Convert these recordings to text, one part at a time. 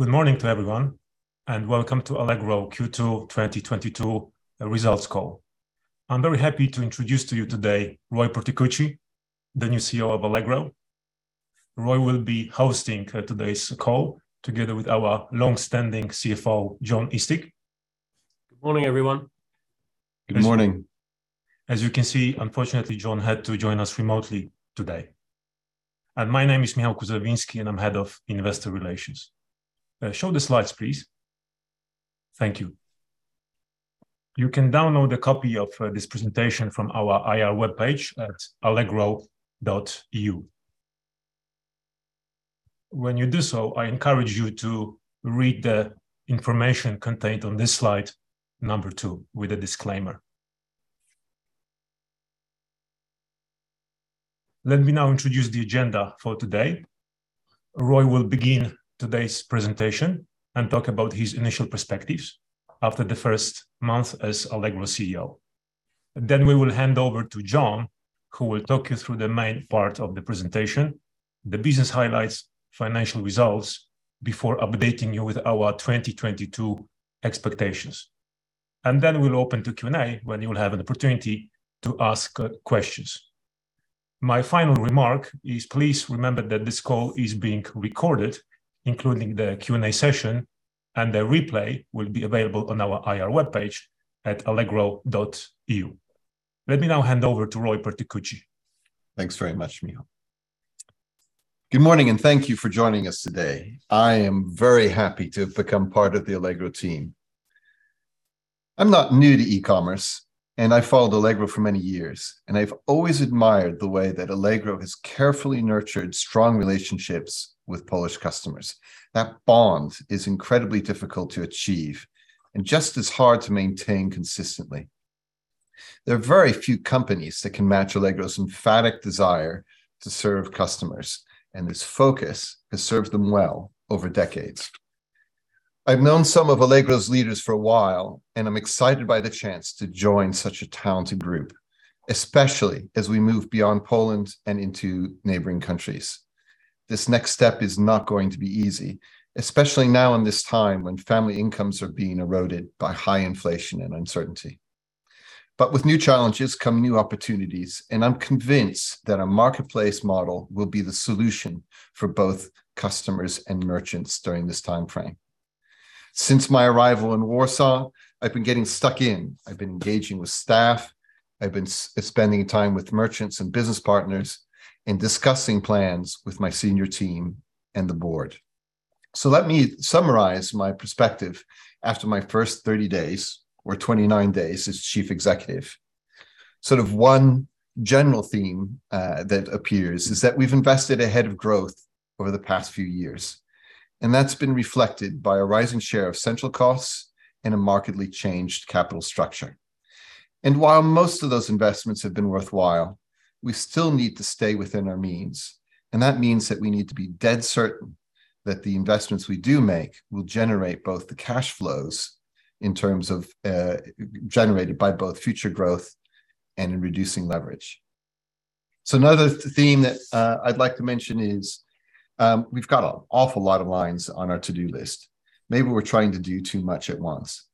Good morning to everyone, and welcome to Allegro Q2 2022 results call. I'm very happy to introduce to you today Roy Perticucci, the new CEO of Allegro. Roy will be hosting today's call together with our long-standing CFO, Jon Eastick. Good morning, everyone. Good morning. As you can see, unfortunately, Jon Eastick had to join us remotely today. My name is Michal Kuzawinski, and I'm head of Investor Relations. Show the slides, please. Thank you. You can download a copy of this presentation from our IR webpage at allegro.eu. When you do so, I encourage you to read the information contained on this slide number 2 with a disclaimer. Let me now introduce the agenda for today. Roy will begin today's presentation and talk about his initial perspectives after the 1st month as Allegro CEO. Then we will hand over to Jon, who will talk you through the main part of the presentation, the business highlights, financial results before updating you with our 2022 expectations. Then we'll open to Q&A when you will have an opportunity to ask questions. My final remark is please remember that this call is being recorded, including the Q&A session, and the replay will be available on our IR webpage at allegro.eu. Let me now hand over to Roy Perticucci. Thanks very much, Michal. Good morning, and thank you for joining us today. I am very happy to have become part of the Allegro team. I'm not new to e-commerce, and I followed Allegro for many years, and I've always admired the way that Allegro has carefully nurtured strong relationships with Polish customers. That bond is incredibly difficult to achieve and just as hard to maintain consistently. There are very few companies that can match Allegro's emphatic desire to serve customers, and this focus has served them well over decades. I've known some of Allegro's leaders for a while, and I'm excited by the chance to join such a talented group, especially as we move beyond Poland and into neighboring countries. This next step is not going to be easy, especially now in this time when family incomes are being eroded by high inflation and uncertainty. With new challenges come new opportunities, and I'm convinced that our marketplace model will be the solution for both customers and merchants during this timeframe. Since my arrival in Warsaw, I've been getting stuck in. I've been engaging with staff, I've been spending time with merchants and business partners and discussing plans with my senior team and the board. Let me summarize my perspective after my first 30 days or 29 days as chief executive. Sort of 1 general theme that appears is that we've invested ahead of growth over the past few years, and that's been reflected by a rising share of central costs and a markedly changed capital structure. While most of those investments have been worthwhile, we still need to stay within our means, and that means that we need to be dead certain that the investments we do make will generate both the cash flows in terms of generated by both future growth and in reducing leverage. Another theme that I'd like to mention is, we've got an awful lot of lines on our to-do list. Maybe we're trying to do too much at once.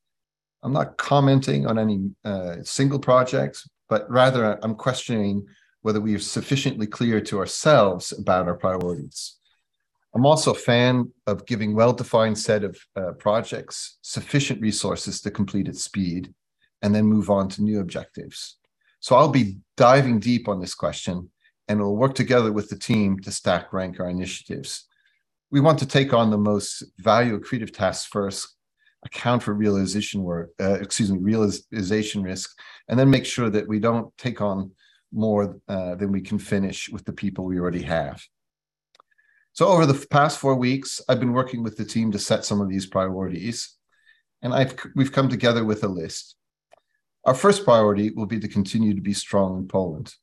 I'm not commenting on any single projects, but rather I'm questioning whether we are sufficiently clear to ourselves about our priorities. I'm also a fan of giving well-defined set of projects, sufficient resources to complete at speed, and then move on to new objectives. I'll be diving deep on this question, and we'll work together with the team to stack rank our initiatives. We want to take on the most value accretive tasks first, account for realization work, excuse me, realization risk, and then make sure that we don't take on more than we can finish with the people we already have. Over the past 4 weeks, I've been working with the team to set some of these priorities, and we've come together with a list. Our first priority will be to continue to be strong in Poland.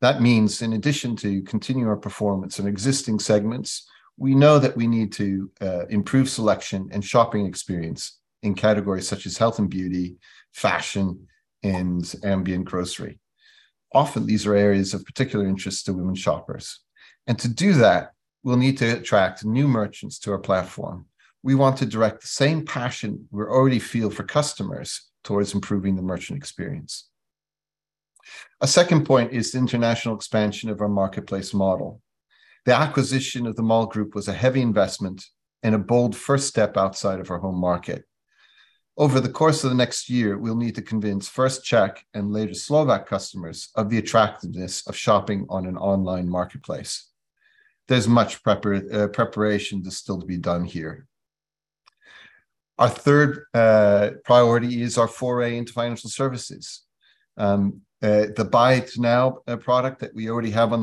That means in addition to continuing our performance in existing segments, we know that we need to improve selection and shopping experience in categories such as health and beauty, fashion, and ambient grocery. Often, these are areas of particular interest to women shoppers. To do that, we'll need to attract new merchants to our platform. We want to direct the same passion we already feel for customers towards improving the merchant experience. A second point is the international expansion of our marketplace model. The acquisition of the Mall Group was a heavy investment and a bold first step outside of our home market. Over the course of the next year, we'll need to convince first Czech and later Slovak customers of the attractiveness of shopping on an online marketplace. There's much preparation that's still to be done here. Our third priority is our foray into financial services. The Buy Now, Pay Later product that we already have on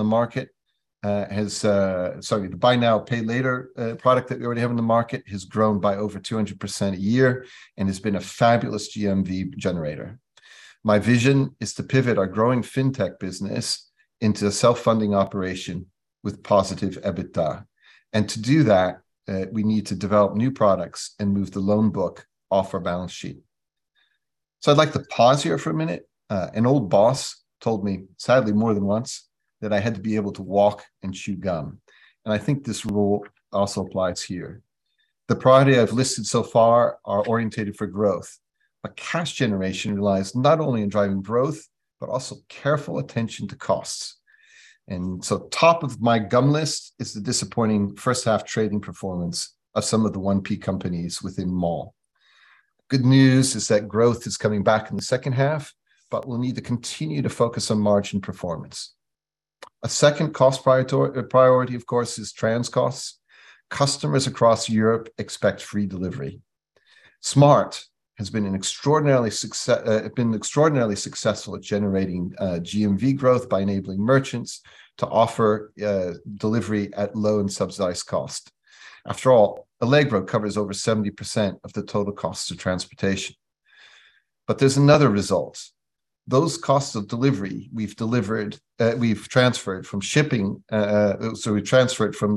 the market has grown by over 200% a year and has been a fabulous GMV generator. My vision is to pivot our growing fintech business into a self-funding operation with positive EBITDA. To do that, we need to develop new products and move the loan book off our balance sheet. I'd like to pause here for a minute. An old boss told me, sadly more than once, that I had to be able to walk and chew gum, and I think this rule also applies here. The priority I've listed so far are oriented for growth, but cash generation relies not only on driving growth, but also careful attention to costs. Top of my gum list is the disappointing H1 trading performance of some of the 1P companies within Mall Group. Good news is that growth is coming back in the H2, but we'll need to continue to focus on margin performance. A second cost priority, of course, is transport costs. Customers across Europe expect free delivery. Smart! has been extraordinarily successful at generating GMV growth by enabling merchants to offer delivery at low and subsidized cost. After all, Allegro covers over 70% of the total cost of transportation. There's another result. Those costs of delivery we've transferred from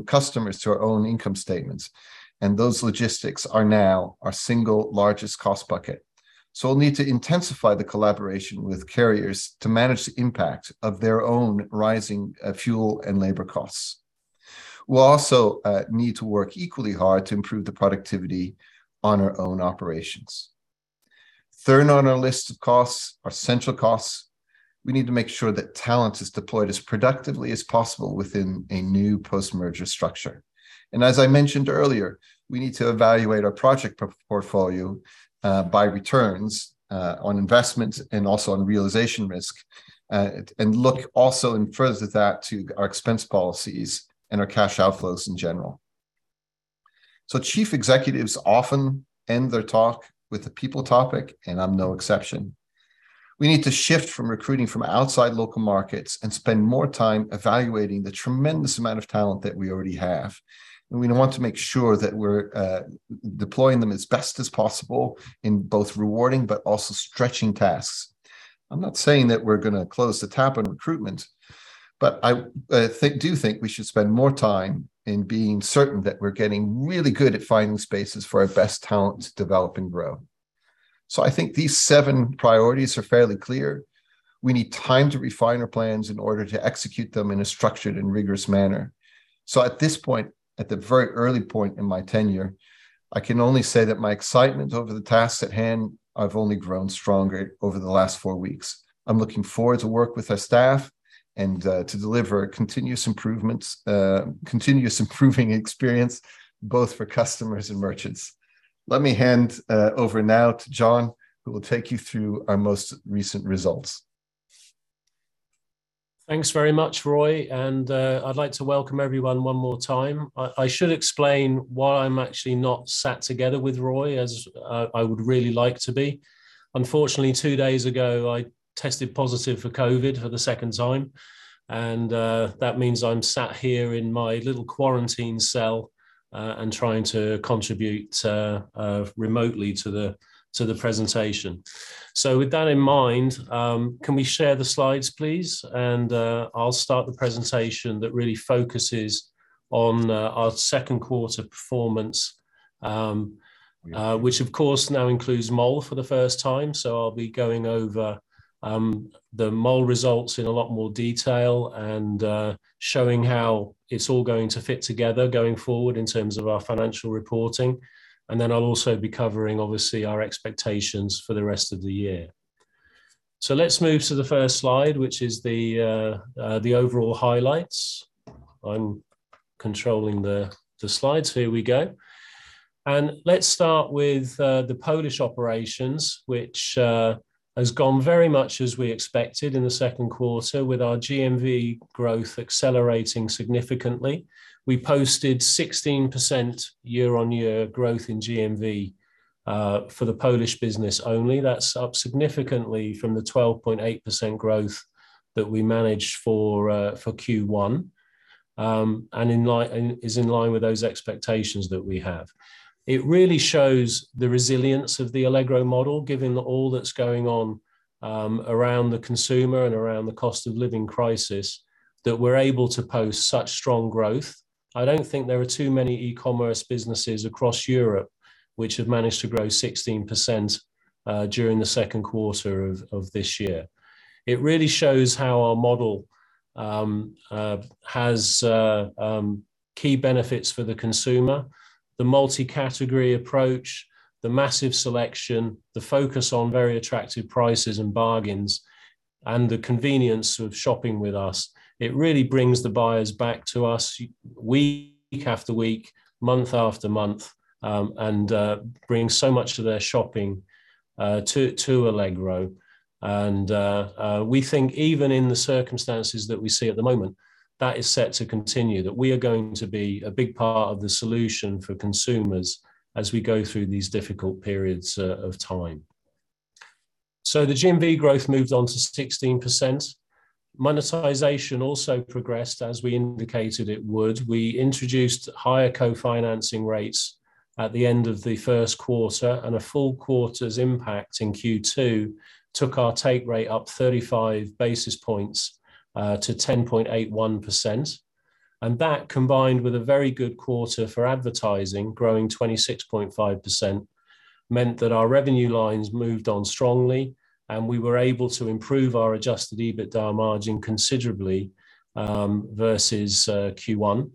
customers to our own income statements, and those logistics are now our single largest cost bucket. We'll need to intensify the collaboration with carriers to manage the impact of their own rising fuel and labor costs. We'll also need to work equally hard to improve the productivity on our own operations. Third on our list of costs are central costs. We need to make sure that talent is deployed as productively as possible within a new post-merger structure. As I mentioned earlier, we need to evaluate our project portfolio by returns on investment and also on realization risk, and look also into that further, to our expense policies and our cash outflows in general. Chief executives often end their talk with the people topic, and I'm no exception. We need to shift from recruiting from outside local markets and spend more time evaluating the tremendous amount of talent that we already have. We want to make sure that we're deploying them as best as possible in both rewarding but also stretching tasks. I'm not saying that we're gonna close the tap on recruitment, but I think, do think we should spend more time in being certain that we're getting really good at finding spaces for our best talent to develop and grow. I think these 7 priorities are fairly clear. We need time to refine our plans in order to execute them in a structured and rigorous manner. At this point, at the very early point in my tenure, I can only say that my excitement over the tasks at hand have only grown stronger over the last 4 weeks. I'm looking forward to work with our staff and to deliver continuous improvements, continuous improving experience, both for customers and merchants. Let me hand over now to Jon Eastick, who will take you through our most recent results. Thanks very much, Roy. I'd like to welcome everyone 1 more time. I should explain why I'm actually not sat together with Roy as I would really like to be. Unfortunately, 2 days ago, I tested positive for COVID for the second time. That means I'm sat here in my little quarantine cell and trying to contribute remotely to the presentation. With that in mind, can we share the slides, please? I'll start the presentation that really focuses on our Q2 performance, which of course now includes Mall for the first time. I'll be going over the Mall results in a lot more detail and showing how it's all going to fit together going forward in terms of our financial reporting. Then I'll also be covering, obviously, our expectations for the rest of the year. Let's move to the first slide, which is the overall highlights. I'm controlling the slides. Here we go. Let's start with the Polish operations, which has gone very much as we expected in the Q2 with our GMV growth accelerating significantly. We posted 16% year-on-year growth in GMV for the Polish business only. That's up significantly from the 12.8% growth that we managed for Q1, and is in line with those expectations that we have. It really shows the resilience of the Allegro model, given all that's going on around the consumer and around the cost of living crisis, that we're able to post such strong growth. I don't think there are too many e-commerce businesses across Europe which have managed to grow 16% during the Q2 of this year. It really shows how our model has key benefits for the consumer, the multi-category approach, the massive selection, the focus on very attractive prices and bargains, and the convenience of shopping with us. It really brings the buyers back to us week after week, month after month, and brings so much to their shopping to Allegro. We think even in the circumstances that we see at the moment, that is set to continue, that we are going to be a big part of the solution for consumers as we go through these difficult periods of time. The GMV growth moved on to 16%. Monetization also progressed as we indicated it would. We introduced higher co-financing rates at the end of the Q1, and a full quarter's impact in Q2 took our take rate up 35 basis points to 10.81%. That combined with a very good quarter for advertising, growing 26.5%, meant that our revenue lines moved on strongly, and we were able to improve our adjusted EBITDA margin considerably versus Q1.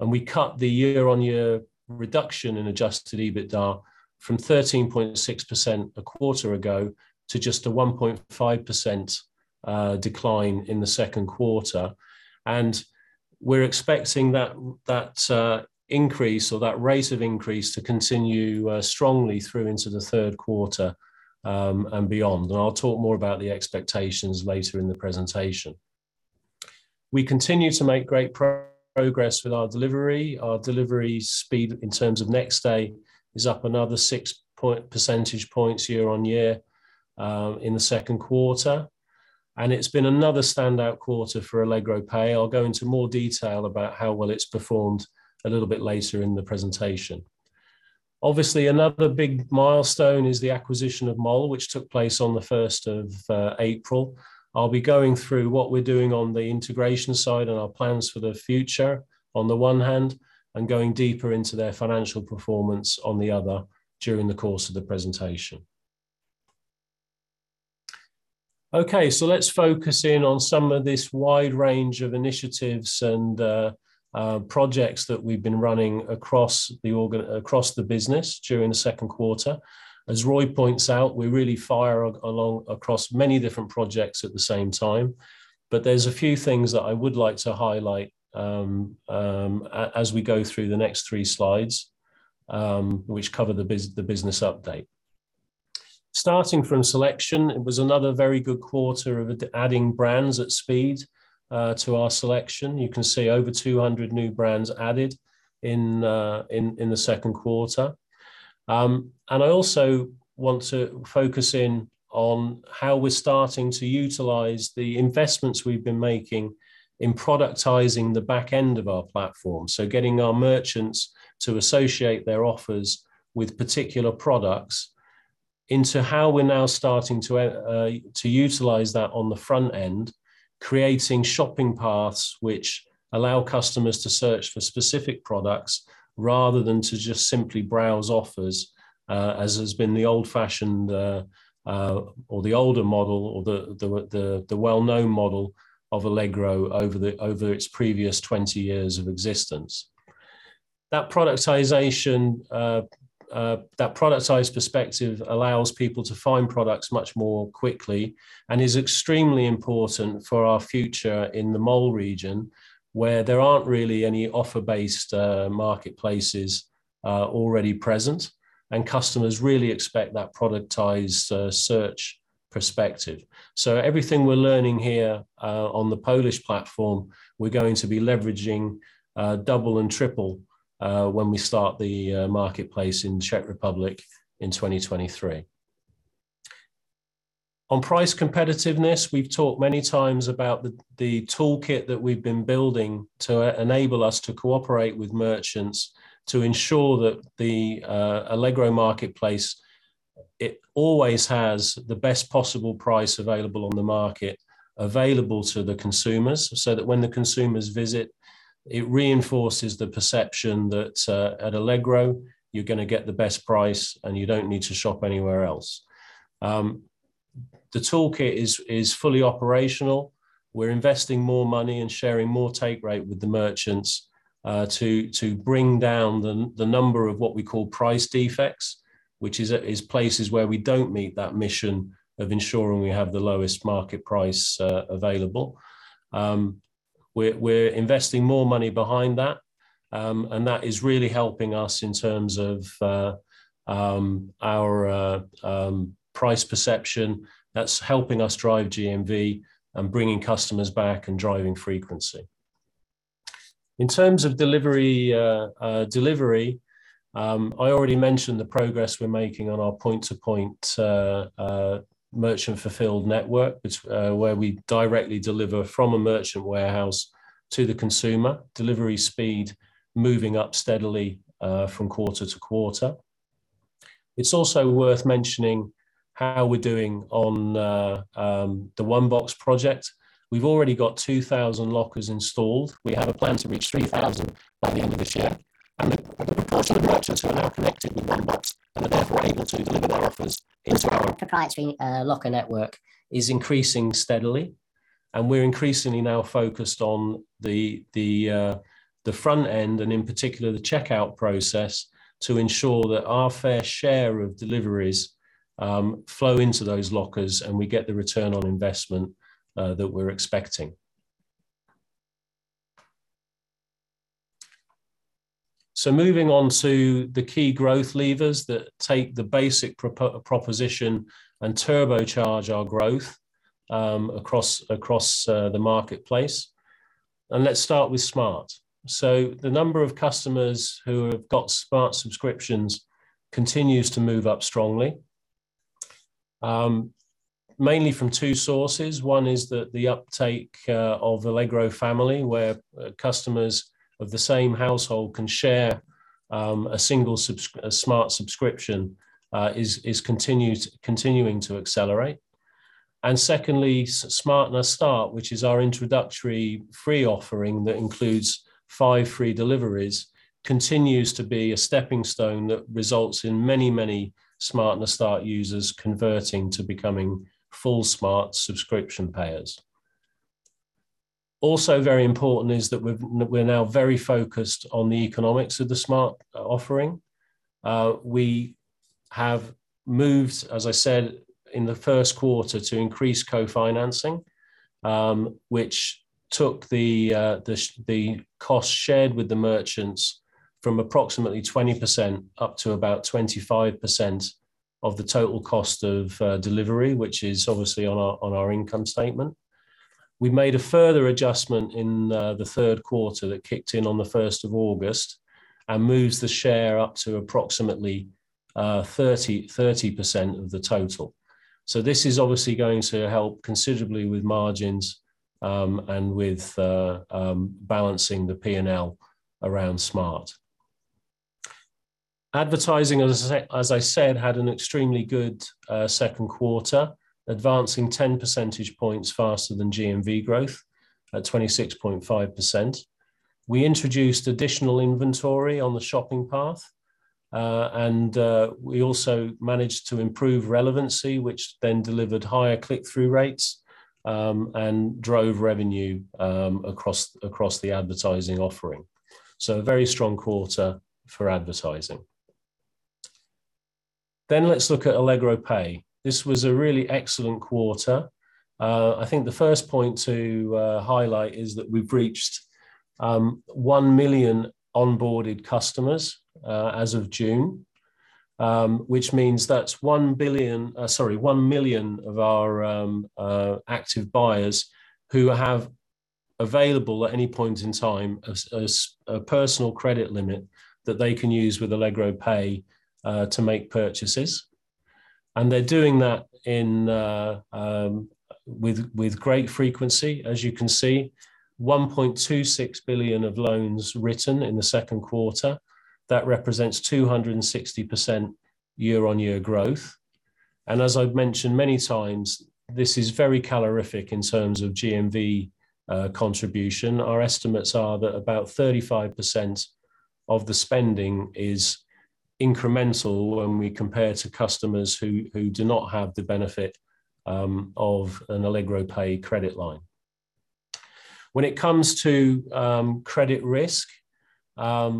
We cut the year-on-year reduction in adjusted EBITDA from 13.6% a quarter ago to just a 1.5% decline in the Q2. We're expecting that increase or that rate of increase to continue strongly through into the Q3 and beyond. I'll talk more about the expectations later in the presentation. We continue to make great progress with our delivery. Our delivery speed in terms of next day is up another 6% points year-on-year in the Q2, and it's been another standout quarter for Allegro Pay. I'll go into more detail about how well it's performed a little bit later in the presentation. Obviously, another big milestone is the acquisition of Mall, which took place on the 1st of April. I'll be going through what we're doing on the integration side and our plans for the future on the one hand, and going deeper into their financial performance on the other during the course of the presentation. Okay, let's focus in on some of this wide range of initiatives and projects that we've been running across the business during the Q2. As Roy points out, we really fire along across many different projects at the same time. There's a few things that I would like to highlight, as we go through the next 3 slides, which cover the business update. Starting from selection, it was another very good quarter of adding brands at speed to our selection. You can see over 200 new brands added in the Q2. I also want to focus in on how we're starting to utilize the investments we've been making in productizing the back end of our platform. Getting our merchants to associate their offers with particular products into how we're now starting to utilize that on the front end, creating shopping paths which allow customers to search for specific products rather than to just simply browse offers, as has been the old-fashioned or the older model or the well-known model of Allegro over its previous 20 years of existence. That productization, that productized perspective allows people to find products much more quickly and is extremely important for our future in the Mall region, where there aren't really any offer-based marketplaces already present, and customers really expect that productized search perspective. Everything we're learning here on the Polish platform, we're going to be leveraging double and triple when we start the marketplace in Czech Republic in 2023. On price competitiveness, we've talked many times about the toolkit that we've been building to enable us to cooperate with merchants to ensure that the Allegro marketplace always has the best possible price available on the market available to the consumers, so that when the consumers visit, it reinforces the perception that at Allegro, you're gonna get the best price, and you don't need to shop anywhere else. The toolkit is fully operational. We're investing more money and sharing more take rate with the merchants to bring down the number of what we call price defects, which is places where we don't meet that mission of ensuring we have the lowest market price available. We're investing more money behind that, and that is really helping us in terms of our price perception. That's helping us drive GMV and bringing customers back and driving frequency. In terms of delivery, I already mentioned the progress we're making on our point-to-point merchant fulfilled network, which, where we directly deliver from a merchant warehouse to the consumer. Delivery speed moving up steadily from quarter-to-quarter. It's also worth mentioning how we're doing on the One Box project. We've already got 2,000 lockers installed. We have a plan to reach 3,000 by the end of this year, and the proportion of merchants who are now connected with One Box and are therefore able to deliver their offers into our proprietary locker network is increasing steadily. We're increasingly now focused on the front end and in particular the checkout process to ensure that our fair share of deliveries flow into those lockers, and we get the return on investment that we're expecting. Moving on to the key growth levers that take the basic proposition and turbocharge our growth across the marketplace, let's start with Smart. The number of customers who have got Smart subscriptions continues to move up strongly, mainly from 2 sources. One is the uptake of Allegro Family, where customers of the same household can share a single Smart subscription, is continuing to accelerate. Secondly, Smart Start, which is our introductory free offering that includes 5 free deliveries, continues to be a stepping stone that results in many Smart Start users converting to becoming full Smart subscription payers. Also very important is that we're now very focused on the economics of the Smart offering. We have moved, as I said, in the Q1 to increase co-financing, which took the cost shared with the merchants from approximately 20% up to about 25% of the total cost of delivery, which is obviously on our income statement. We made a further adjustment in the Q3 that kicked in on the 1st of August and moves the share up to approximately 30% of the total. This is obviously going to help considerably with margins and with balancing the P&L around Smart. Advertising, as I said, had an extremely good Q2, advancing 10% points faster than GMV growth at 26.5%. We introduced additional inventory on the shopping path and we also managed to improve relevancy, which then delivered higher click-through rates and drove revenue across the advertising offering. A very strong quarter for advertising. Let's look at Allegro Pay. This was a really excellent quarter. I think the first point to highlight is that we've reached 1 million onboarded customers as of June, which means that's 1 million of our active buyers who have available at any point in time a personal credit limit that they can use with Allegro Pay to make purchases. They're doing that with great frequency. As you can see, 1.26 billion of loans written in the Q2. That represents 260% year-on-year growth. I've mentioned many times, this is very calorific in terms of GMV contribution. Our estimates are that about 35% of the spending is incremental when we compare to customers who do not have the benefit of an Allegro Pay credit line. When it comes to credit risk, the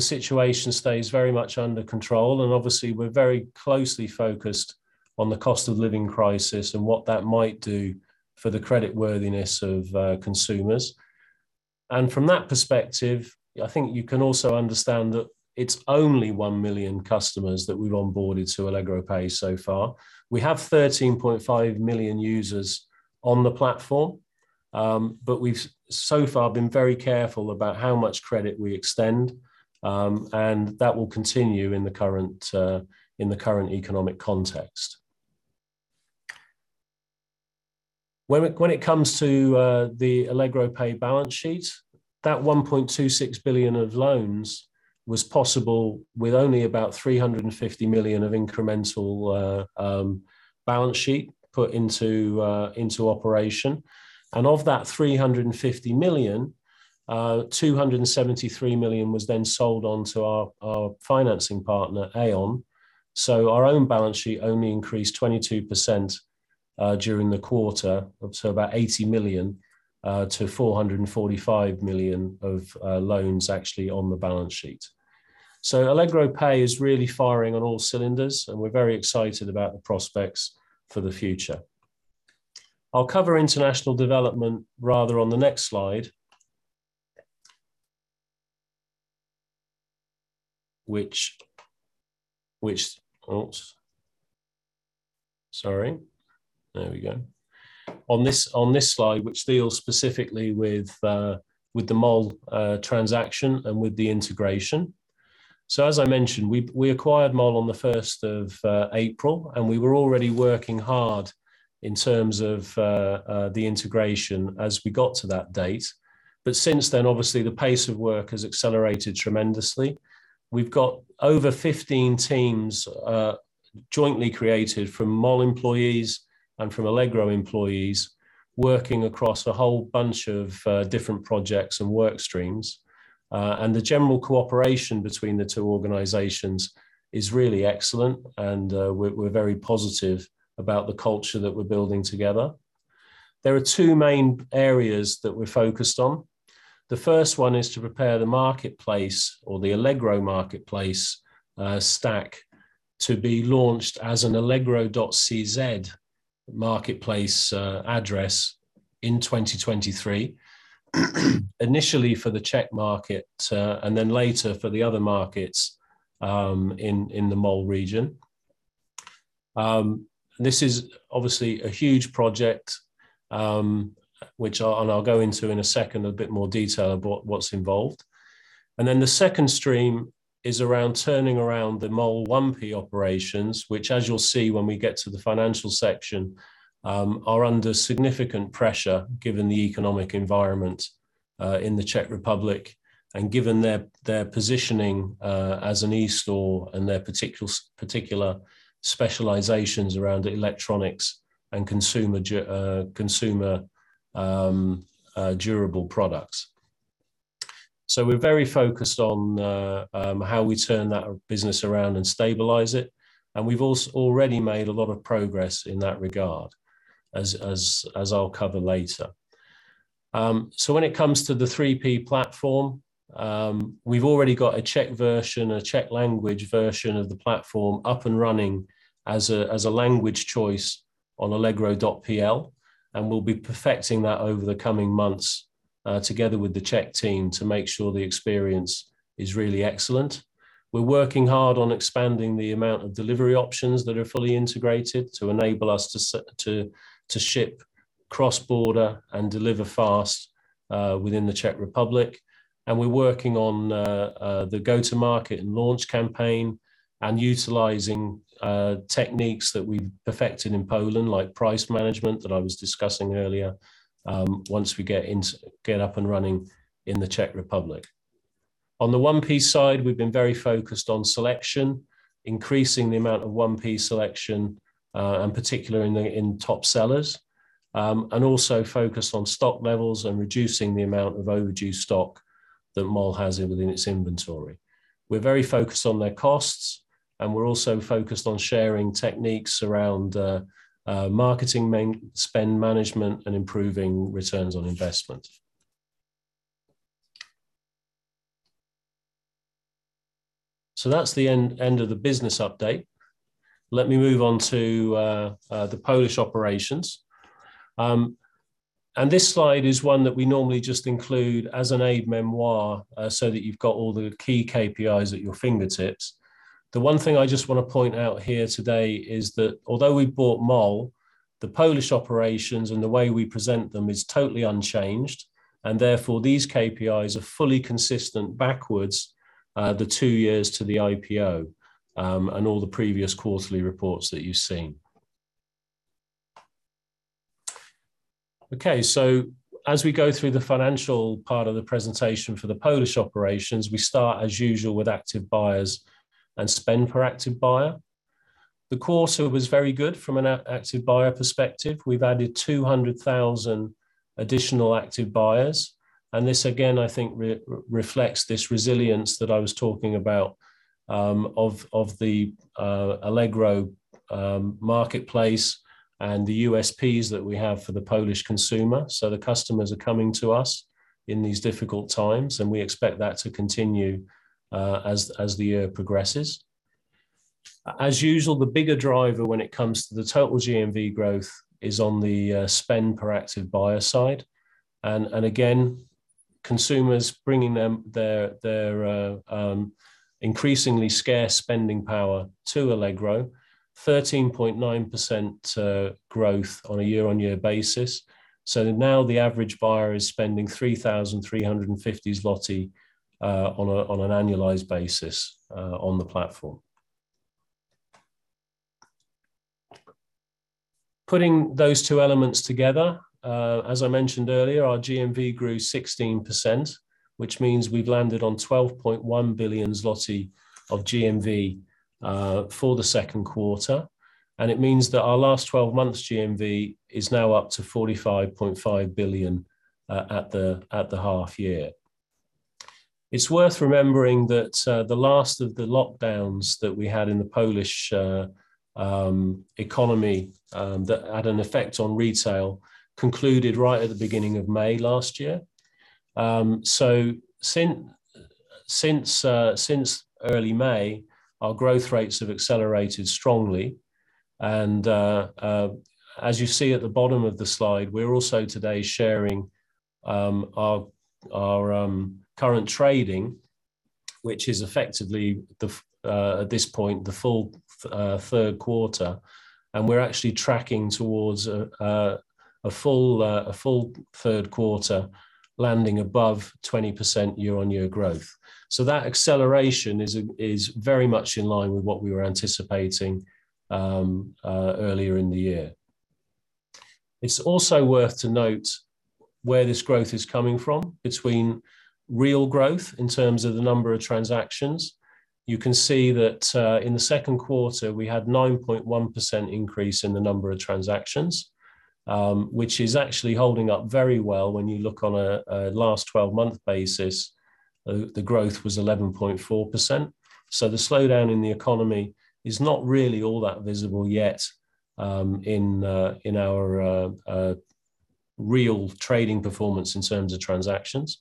situation stays very much under control, and obviously we're very closely focused on the cost of living crisis and what that might do for the creditworthiness of consumers. From that perspective, I think you can also understand that it's only 1 million customers that we've onboarded to Allegro Pay so far. We have 13.5 million users on the platform, but we've so far been very careful about how much credit we extend, and that will continue in the current economic context. When it comes to the Allegro Pay balance sheet, that 1.26 billion of loans was possible with only about 350 million of incremental balance sheet put into operation. Of that 350 million, 273 million was then sold on to our financing partner, Aion. Our own balance sheet only increased 22% during the quarter, up to about 80 million to 445 million of loans actually on the balance sheet. Allegro Pay is really firing on all cylinders, and we're very excited about the prospects for the future. I'll cover international development rather on the next slide. On this slide, which deals specifically with the Mall transaction and with the integration. As I mentioned, we acquired Mall on the 1st of April, and we were already working hard in terms of the integration as we got to that date. Since then, obviously the pace of work has accelerated tremendously. We've got over 15 teams, jointly created from Mall employees and from Allegro employees working across a whole bunch of different projects and work streams. The general cooperation between the 2 organizations is really excellent, and we're very positive about the culture that we're building together. There are 2 main areas that we're focused on. The first one is to prepare the marketplace or the Allegro marketplace stack to be launched as an allegro.cz marketplace address in 2023, initially for the Czech market, and then later for the other markets in the Mall region. This is obviously a huge project, which I'll go into in a second in a bit more detail about what's involved. The second stream is around turning around the Mall 1P operations, which as you'll see when we get to the financial section, are under significant pressure given the economic environment in the Czech Republic, and given their positioning as an e-store and their particular specializations around electronics and consumer durable products. We're very focused on how we turn that business around and stabilize it, and we've already made a lot of progress in that regard, as I'll cover later. When it comes to the 3P platform, we've already got a Czech version, a Czech language version of the platform up and running as a language choice on allegro.pl, and we'll be perfecting that over the coming months, together with the Czech team to make sure the experience is really excellent. We're working hard on expanding the amount of delivery options that are fully integrated to enable us to to ship cross-border and deliver fast, within the Czech Republic, and we're working on the go-to-market and launch campaign and utilizing techniques that we've perfected in Poland, like price management that I was discussing earlier, once we get up and running in the Czech Republic. On the 1P side, we've been very focused on selection, increasing the amount of 1P selection, and particularly in top sellers. Also focused on stock levels and reducing the amount of overdue stock that Mall has within its inventory. We're very focused on their costs, and we're also focused on sharing techniques around marketing and spend management, and improving returns on investment. That's the end of the business update. Let me move on to the Polish operations. This slide is 1 that we normally just include as an aide-mémoire, so that you've got all the key KPIs at your fingertips. The one thing I just wanna point out here today is that although we've bought Mall, the Polish operations and the way we present them is totally unchanged, and therefore, these KPIs are fully consistent backwards, the 2 years to the IPO, and all the previous quarterly reports that you've seen. Okay. As we go through the financial part of the presentation for the Polish operations, we start, as usual, with active buyers and spend per active buyer. The quarter was very good from an active buyer perspective. We've added 200,000 additional active buyers, and this again, I think, reflects this resilience that I was talking about, of the Allegro marketplace and the USPs that we have for the Polish consumer. The customers are coming to us in these difficult times, and we expect that to continue, as the year progresses. As usual, the bigger driver when it comes to the total GMV growth is on the spend per active buyer side, and again, consumers bringing them their increasingly scarce spending power to Allegro, 13.9% growth on a year-on-year basis. Now the average buyer is spending 3,350 zloty on an annualized basis on the platform. Putting those 2 elements together, as I mentioned earlier, our GMV grew 16%, which means we've landed on 12.1 billion zloty of GMV for the Q2, and it means that our last 12 months GMV is now up to 45.5 billion at the half year. It's worth remembering that the last of the lockdowns that we had in the Polish economy that had an effect on retail concluded right at the beginning of May last year. Since early May, our growth rates have accelerated strongly. As you see at the bottom of the slide, we're also today sharing our current trading, which is effectively at this point the full Q3, and we're actually tracking towards a full Q3 landing above 20% year-on-year growth. That acceleration is very much in line with what we were anticipating earlier in the year. It's also worth to note where this growth is coming from between real growth in terms of the number of transactions. You can see that in the Q2, we had 9.1% increase in the number of transactions, which is actually holding up very well when you look on a last 12-month basis. The growth was 11.4%. The slowdown in the economy is not really all that visible yet in our real trading performance in terms of transactions.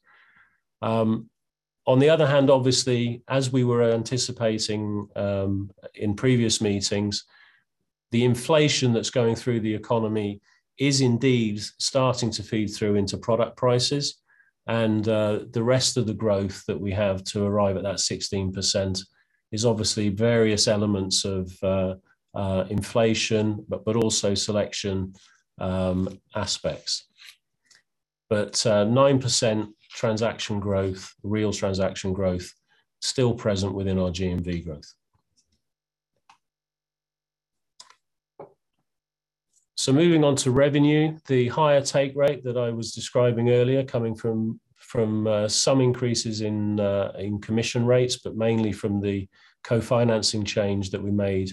On the other hand, obviously, as we were anticipating in previous meetings, the inflation that's going through the economy is indeed starting to feed through into product prices, and the rest of the growth that we have to arrive at that 16% is obviously various elements of inflation, but also selection aspects. 9% transaction growth, real transaction growth, still present within our GMV growth. Moving on to revenue, the higher take rate that I was describing earlier coming from some increases in commission rates, but mainly from the co-financing change that we made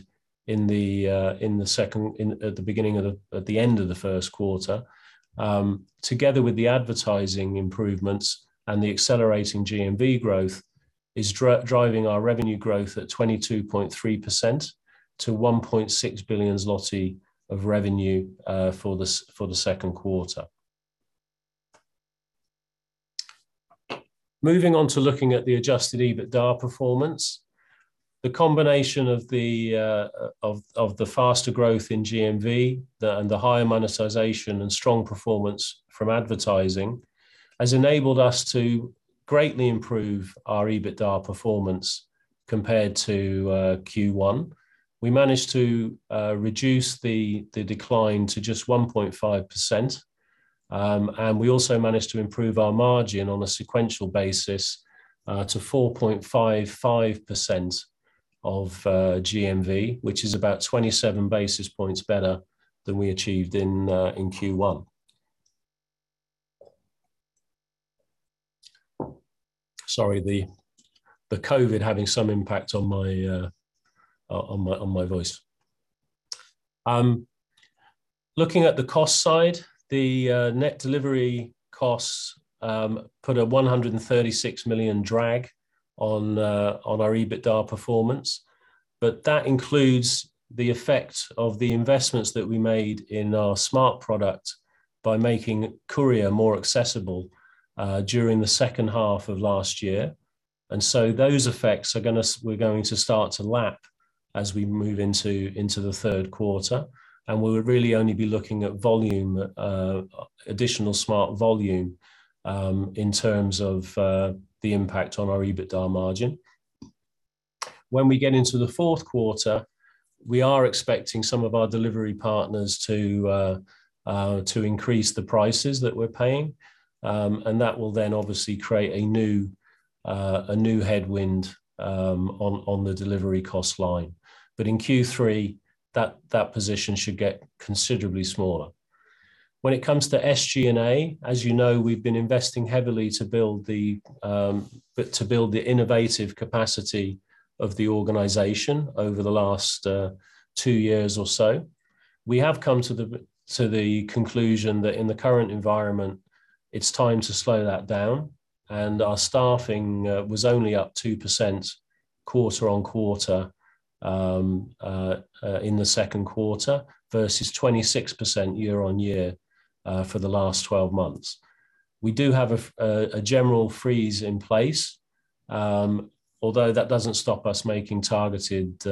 at the beginning of the. At the end of the Q1, together with the advertising improvements and the accelerating GMV growth is driving our revenue growth at 22.3% to 1.6 billion zloty of revenue for the Q2. Moving on to looking at the adjusted EBITDA performance. The combination of the faster growth in GMV and the higher monetization and strong performance from advertising has enabled us to greatly improve our EBITDA performance compared to Q1. We managed to reduce the decline to just 1.5%, and we also managed to improve our margin on a sequential basis to 4.55% of GMV, which is about 27 basis points better than we achieved in Q1. Sorry, COVID having some impact on my voice. Looking at the cost side, net delivery costs put a 136 million drag on our EBITDA performance, but that includes the effect of the investments that we made in our smart product by making courier more accessible during the H2 of last year. We're going to start to lap as we move into the Q3, and we would really only be looking at volume, additional smart volume, in terms of the impact on our EBITDA margin. When we get into the Q4, we are expecting some of our delivery partners to increase the prices that we're paying, and that will then obviously create a new headwind on the delivery cost line. In Q3, that position should get considerably smaller. When it comes to SG&A, as you know, we've been investing heavily to build the innovative capacity of the organization over the last 2 years or so. We have come to the conclusion that in the current environment, it's time to slow that down and our staffing was only up 2% quarter-on-quarter in the Q2 versus 26% year-on-year for the last 12 months. We do have a general freeze in place, although that doesn't stop us making targeted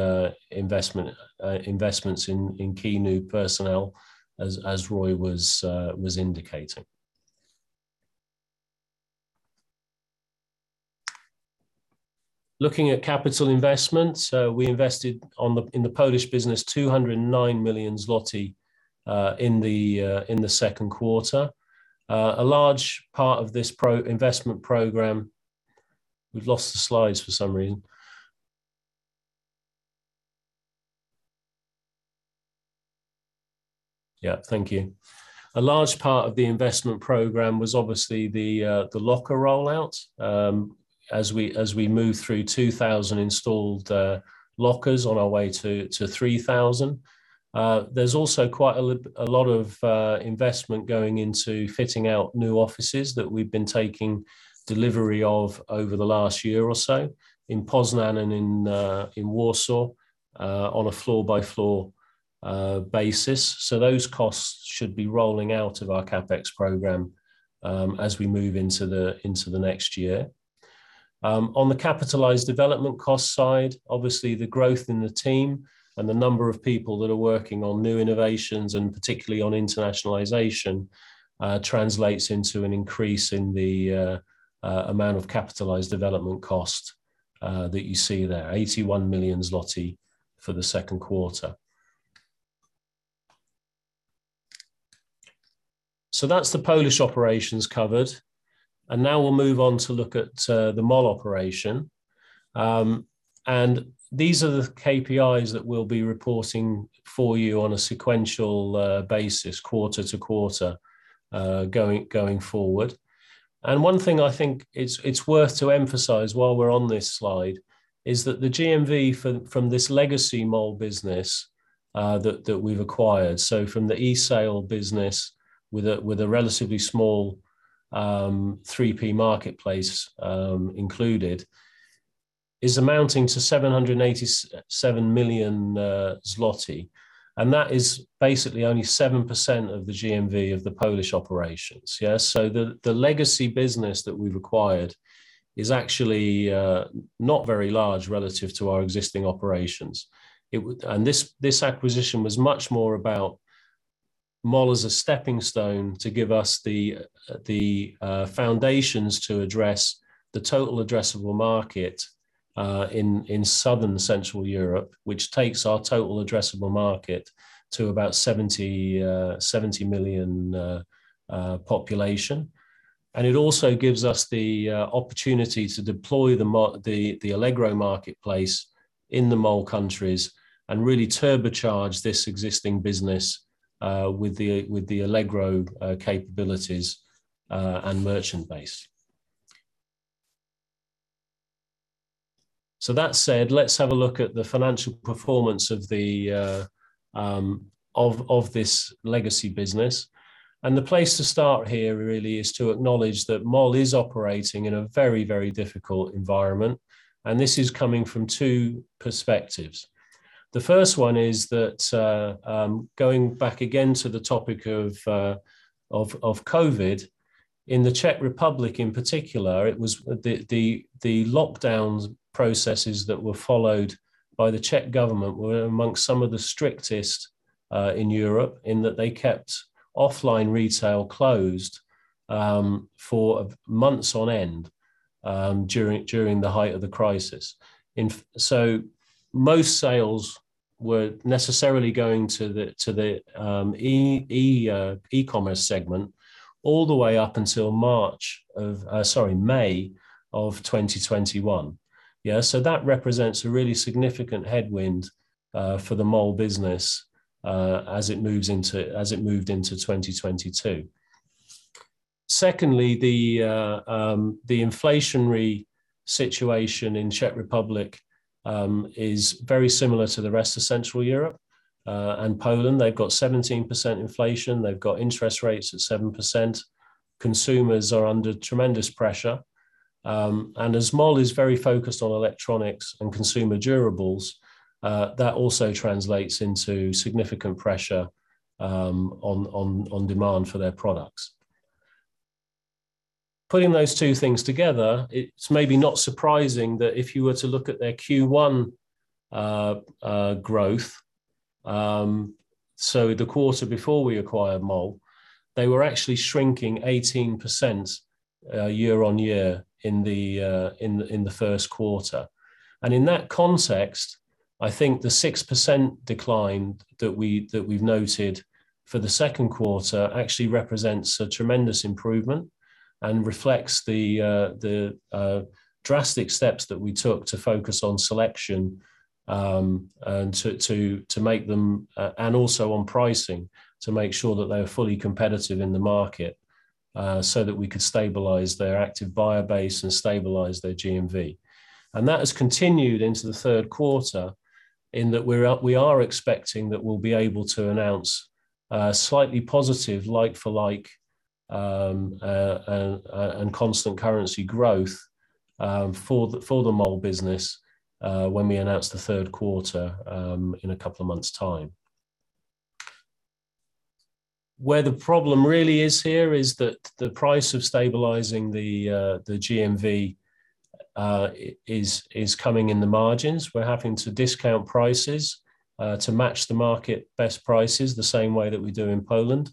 investments in key new personnel as Roy was indicating. Looking at capital investments, we invested in the Polish business 209 million zloty in the Q2. A large part of this investment program. We've lost the slides for some reason. Yeah. Thank you. A large part of the investment program was obviously the locker rollout, as we move through 2,000 installed lockers on our way to 3,000. There's also quite a lot of investment going into fitting out new offices that we've been taking delivery of over the last year or so in Poznań and in Warsaw on a floor-by-floor basis. Those costs should be rolling out of our CapEx program as we move into the next year. On the capitalized development cost side, obviously the growth in the team and the number of people that are working on new innovations, and particularly on internationalization, translates into an increase in the amount of capitalized development cost that you see there, 81 million zloty for the Q2. That's the Polish operations covered, and now we'll move on to look at the Mall operation. These are the KPIs that we'll be reporting for you on a sequential basis quarter-to-quarter going forward. One thing I think it's worth to emphasize while we're on this slide is that the GMV from this legacy Mall business that we've acquired, so from the e-tail business with a relatively small 3P marketplace included, is amounting to 787 million zloty, and that is basically only 7% of the GMV of the Polish operations. The legacy business that we've acquired is actually not very large relative to our existing operations. This acquisition was much more about Mall as a stepping stone to give us the foundations to address the total addressable market in southern Central Europe, which takes our total addressable market to about 70 million population. It also gives us the opportunity to deploy the Allegro marketplace in the Mall countries and really turbocharge this existing business with the Allegro capabilities and merchant base. That said, let's have a look at the financial performance of this legacy business. The place to start here really is to acknowledge that Mall is operating in a very, very difficult environment, and this is coming from 2 perspectives. The first one is that, going back again to the topic of COVID, in the Czech Republic in particular, it was the lockdowns processes that were followed by the Czech government were amongst some of the strictest in Europe in that they kept offline retail closed for months on end during the height of the crisis. Most sales were necessarily going to the e-commerce segment all the way up until May of 2021. That represents a really significant headwind for the Mall business as it moved into 2022. Secondly, the inflationary situation in the Czech Republic is very similar to the rest of Central Europe and Poland. They've got 17% inflation. They've got interest rates at 7%. Consumers are under tremendous pressure. As Mall is very focused on electronics and consumer durables, that also translates into significant pressure on demand for their products. Putting those 2 things together, it's maybe not surprising that if you were to look at their Q1 growth, so the quarter before we acquired Mall, they were actually shrinking 18% year-on-year in the Q1. In that context, I think the 6% decline that we've noted for the Q2 actually represents a tremendous improvement and reflects the drastic steps that we took to focus on selection and to make them and also on pricing to make sure that they are fully competitive in the market, so that we could stabilize their active buyer base and stabilize their GMV. That has continued into the Q3 in that we're expecting that we'll be able to announce slightly positive like-for-like and constant currency growth for the Mall business when we announce the Q3 in a couple of months' time. Where the problem really is here is that the price of stabilizing the GMV is coming in the margins. We're having to discount prices to match the market best prices the same way that we do in Poland,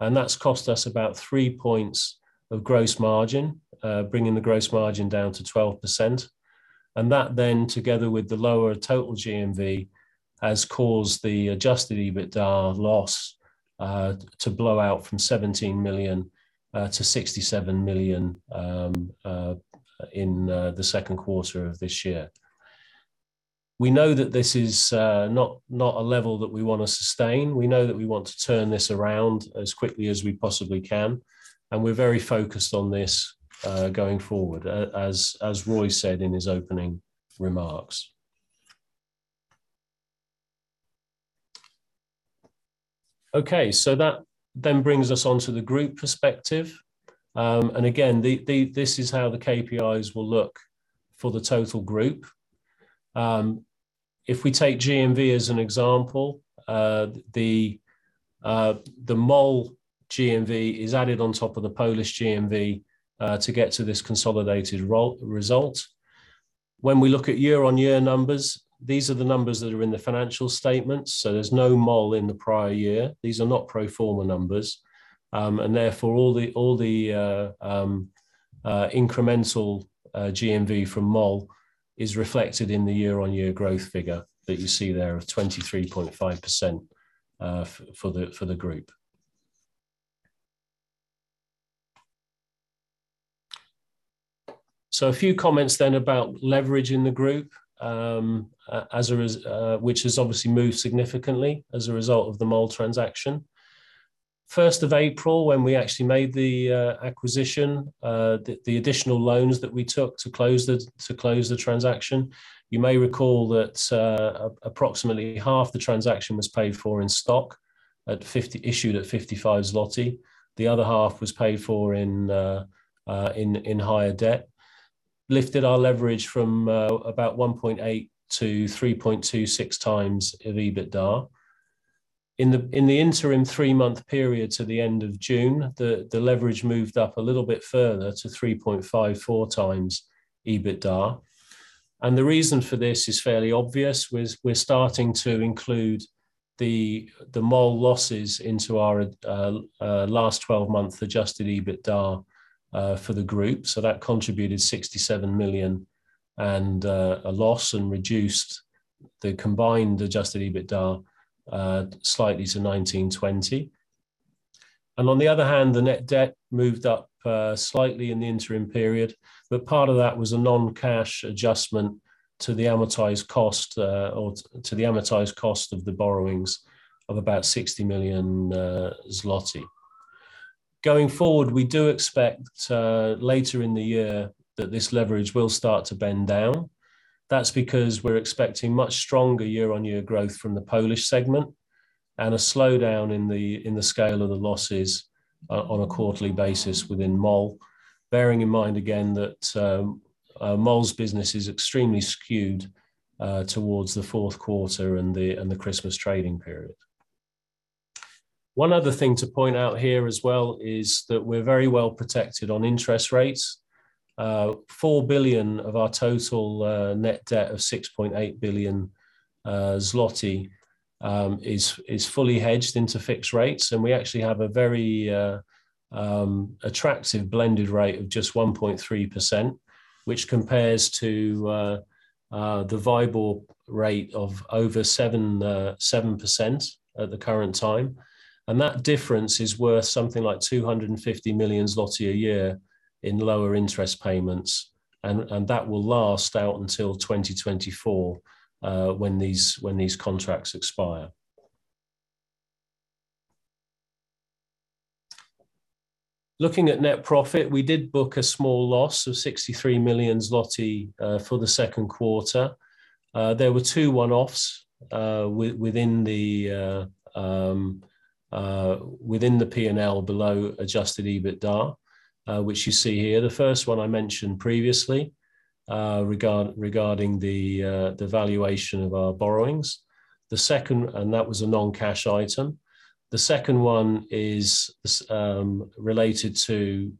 and that's cost us about 3 points of gross margin, bringing the gross margin down to 12%. That then, together with the lower total GMV, has caused the adjusted EBITDA loss to blow out from 17 million to 67 million in the Q2 of this year. We know that this is not a level that we want to sustain. We know that we want to turn this around as quickly as we possibly can, and we're very focused on this going forward, as Roy said in his opening remarks. That brings us on to the group perspective. This is how the KPIs will look for the total group. If we take GMV as an example, the Mall GMV is added on top of the Polish GMV to get to this consolidated result. When we look at year-on-year numbers, these are the numbers that are in the financial statements, so there's no Mall in the prior year. These are not pro forma numbers. All the incremental GMV from Mall is reflected in the year-on-year growth figure that you see there of 23.5%, for the group. A few comments then about leverage in the group, as a result, which has obviously moved significantly as a result of the Mall transaction. 1st of April, when we actually made the acquisition, the additional loans that we took to close the transaction, you may recall that, approximately half the transaction was paid for in stock issued at 55 zloty. The other half was paid for in higher debt. Lifted our leverage from about 1.8 to 3.26 times EBITDA. In the interim 3-month period to the end of June, the leverage moved up a little bit further to 3.54 times EBITDA. The reason for this is fairly obvious. We're starting to include the Mall losses into our last 12-month adjusted EBITDA for the group. That contributed 67 million and a loss and reduced the combined adjusted EBITDA slightly to 1,920. On the other hand, the net debt moved up slightly in the interim period, but part of that was a non-cash adjustment to the amortized cost of the borrowings of about 60 million zloty. Going forward, we do expect later in the year that this leverage will start to bend down. That's because we're expecting much stronger year-on-year growth from the Polish segment and a slowdown in the scale of the losses on a quarterly basis within Mall. Bearing in mind again that Mall's business is extremely skewed towards the Q4 and the Christmas trading period. One other thing to point out here as well is that we're very well protected on interest rates. 4 billion of our total net debt of 6.8 billion zloty is fully hedged into fixed rates, and we actually have a very attractive blended rate of just 1.3%, which compares to the variable rate of over 7% at the current time. That difference is worth something like 250 million zloty a year in lower interest payments, and that will last out until 2024, when these contracts expire. Looking at net profit, we did book a small loss of 63 million zloty for the Q2. There were 2 one-offs within the P&L below adjusted EBITDA, which you see here. The first one I mentioned previously, regarding the valuation of our borrowings. That was a non-cash item. The second one is related to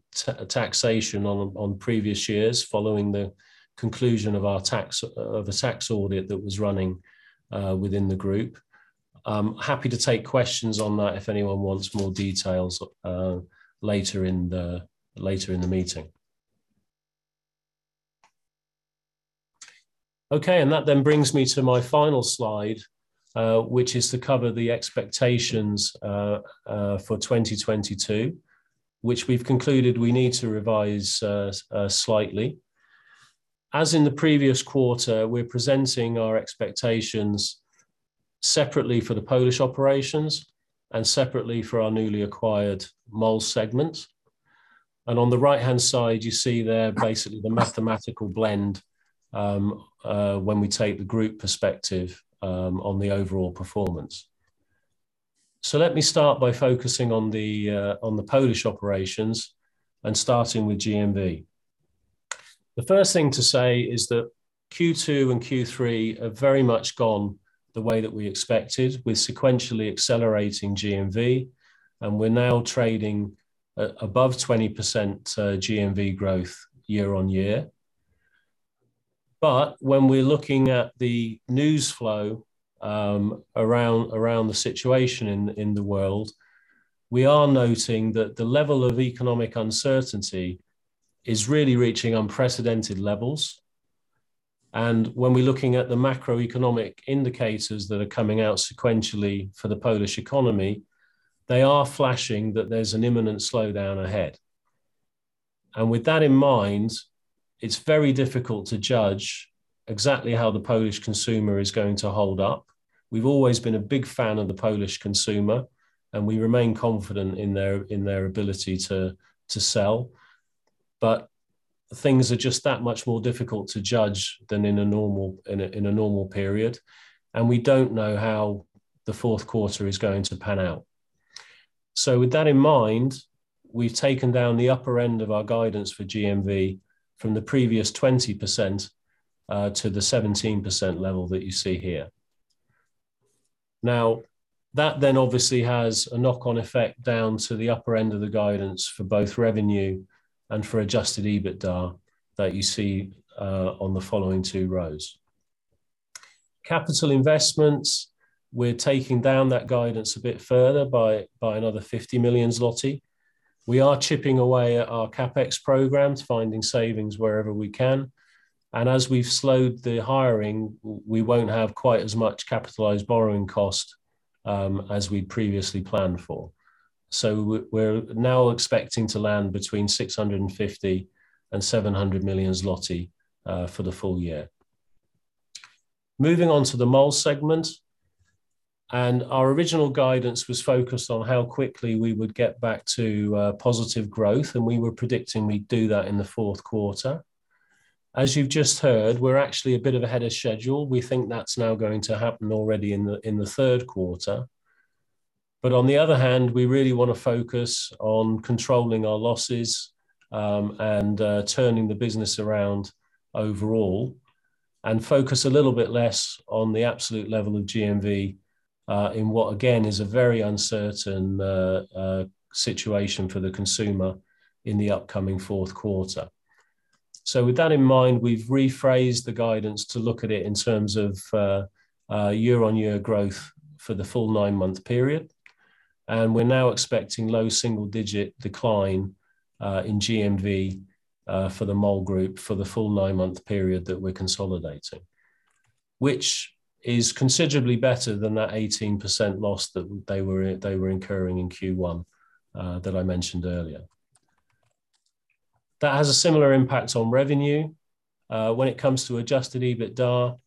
taxation on previous years following the conclusion of our tax audit that was running within the group. I'm happy to take questions on that if anyone wants more details later in the meeting. Okay, that then brings me to my final slide, which is to cover the expectations for 2022, which we've concluded we need to revise slightly. As in the previous quarter, we're presenting our expectations separately for the Polish operations and separately for our newly acquired Mall segment. On the right-hand side, you see there basically the mathematical blend, when we take the group perspective, on the overall performance. Let me start by focusing on the Polish operations and starting with GMV. The first thing to say is that Q2 and Q3 are very much gone the way that we expected with sequentially accelerating GMV, and we're now trading above 20% GMV growth year-on-year. When we're looking at the news flow, around the situation in the world, we are noting that the level of economic uncertainty is really reaching unprecedented levels. When we're looking at the macroeconomic indicators that are coming out sequentially for the Polish economy, they are flashing that there's an imminent slowdown ahead. With that in mind, it's very difficult to judge exactly how the Polish consumer is going to hold up. We've always been a big fan of the Polish consumer, and we remain confident in their ability to sell. Things are just that much more difficult to judge than in a normal period. We don't know how the Q4 is going to pan out. With that in mind, we've taken down the upper end of our guidance for GMV from the previous 20% to the 17% level that you see here. Now, that then obviously has a knock-on effect down to the upper end of the guidance for both revenue and for adjusted EBITDA that you see on the following 2 rows. Capital investments, we're taking down that guidance a bit further by another 50 million zloty. We are chipping away at our CapEx programs, finding savings wherever we can. As we've slowed the hiring, we won't have quite as much capitalized borrowing cost as we previously planned for. We're now expecting to land between 650 million and 700 million zloty for the full year. Moving on to the Mall segment, our original guidance was focused on how quickly we would get back to positive growth, and we were predicting we'd do that in the Q4. As you've just heard, we're actually a bit ahead of schedule. We think that's now going to happen already in the Q3. On the other hand, we really wanna focus on controlling our losses, and turning the business around overall and focus a little bit less on the absolute level of GMV, in what, again, is a very uncertain situation for the consumer in the upcoming Q4. With that in mind, we've rephrased the guidance to look at it in terms of year-on-year growth for the full 9-month period, and we're now expecting low single digit decline in GMV for the Mall Group for the full 9-month period that we're consolidating. Which is considerably better than that 18% loss that they were incurring in Q1, that I mentioned earlier. That has a similar impact on revenue. When it comes to adjusted EBITDA,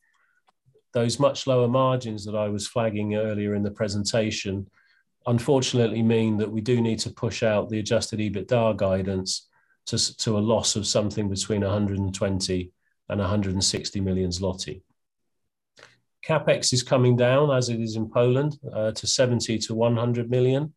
those much lower margins that I was flagging earlier in the presentation unfortunately mean that we do need to push out the adjusted EBITDA guidance to a loss of something between 120 million and 160 million zloty. CapEx is coming down, as it is in Poland, to 70 million to 100 million,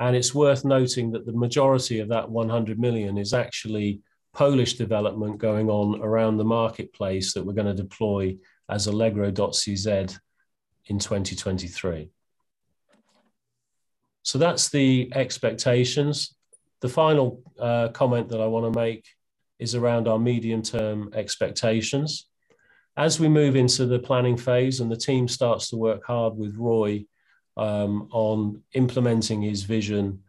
and it's worth noting that the majority of that 100 million is actually Polish development going on around the marketplace that we're gonna deploy as allegro.cz in 2023. That's the expectations. The final comment that I wanna make is around our medium-term expectations. As we move into the planning phase and the team starts to work hard with Roy, on implementing his vision,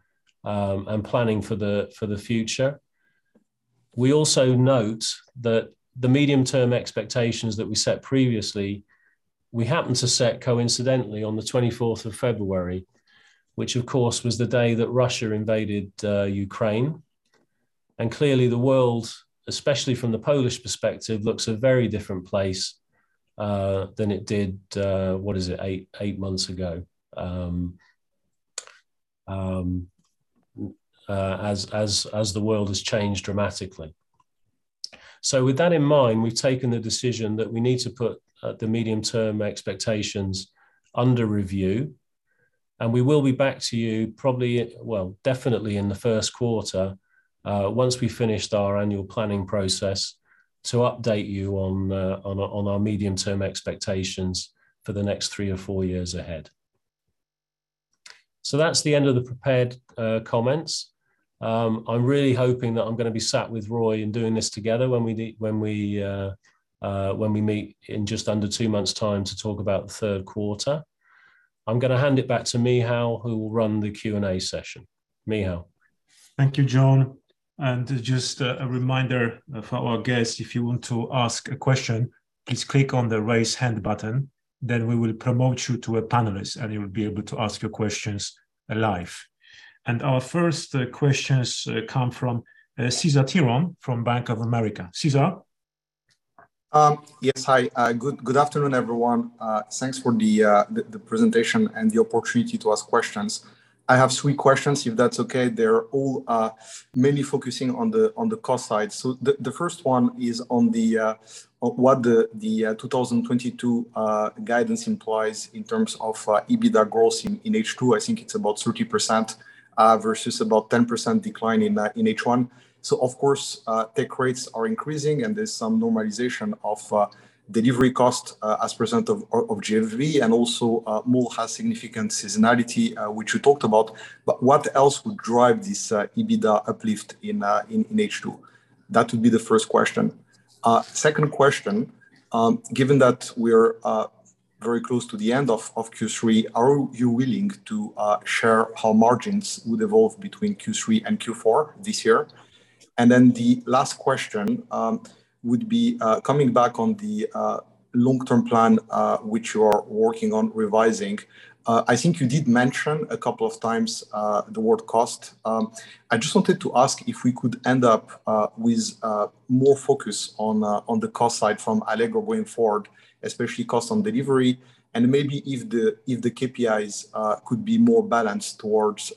and planning for the future, we also note that the medium-term expectations that we set previously, we happened to set coincidentally on the 24th of February, which of course was the day that Russia invaded, Ukraine. Clearly the world, especially from the Polish perspective, looks a very different place, than it did, what is it? 8 months ago, as the world has changed dramatically. With that in mind, we've taken the decision that we need to put the medium-term expectations under review, and we will be back to you probably at, well, definitely in the Q1, once we've finished our annual planning process, to update you on our medium-term expectations for the next 3 or 4 years ahead. That's the end of the prepared comments. I'm really hoping that I'm gonna be sat with Roy and doing this together when we meet in just under 2 months' time to talk about the Q3. I'm gonna hand it back to Michal, who will run the Q&A session. Michal? Thank you, Jon. Just a reminder for our guests, if you want to ask a question, please click on the Raise Hand button, then we will promote you to a panelist, and you will be able to ask your questions live. Our first questions come from Cesar Tiron from Bank of America. Cesar? Yes. Hi. Good afternoon, everyone. Thanks for the presentation and the opportunity to ask questions. I have 3 questions if that's okay. They're all mainly focusing on the cost side. The first one is on what the 2022 guidance implies in terms of EBITDA growth in H2. I think it's about 30% versus about 10% decline in H1. Of course, take rates are increasing, and there's some normalization of delivery cost as a percent of GMV, and also Mall has significant seasonality, which you talked about. What else would drive this EBITDA uplift in H2? That would be the first question. Second question, given that we're very close to the end of Q3, are you willing to share how margins would evolve between Q3 and Q4 this year? The last question would be coming back on the long-term plan, which you are working on revising. I think you did mention a couple of times the word cost. I just wanted to ask if we could end up with more focus on the cost side from Allegro going forward, especially cost on delivery, and maybe if the KPIs could be more balanced towards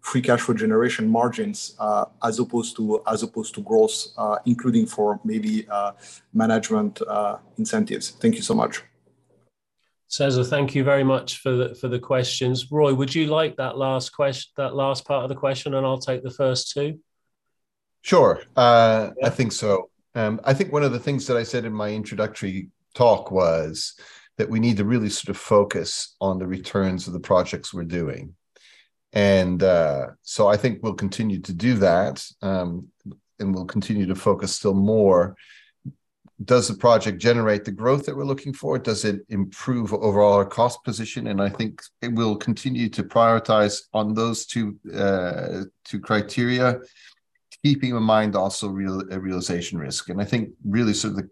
free cash generation margins, as opposed to growth, including for maybe management incentives. Thank you so much. Cesar, thank you very much for the questions. Roy, would you like that last part of the question, and I'll take the first two? Sure. I think so. I think one of the things that I said in my introductory talk was that we need to really sort of focus on the returns of the projects we're doing. I think we'll continue to do that, and we'll continue to focus still more. Does the project generate the growth that we're looking for? Does it improve overall our cost position? I think it will continue to prioritize on those 2 criteria, keeping in mind also realization risk. I think really sort of the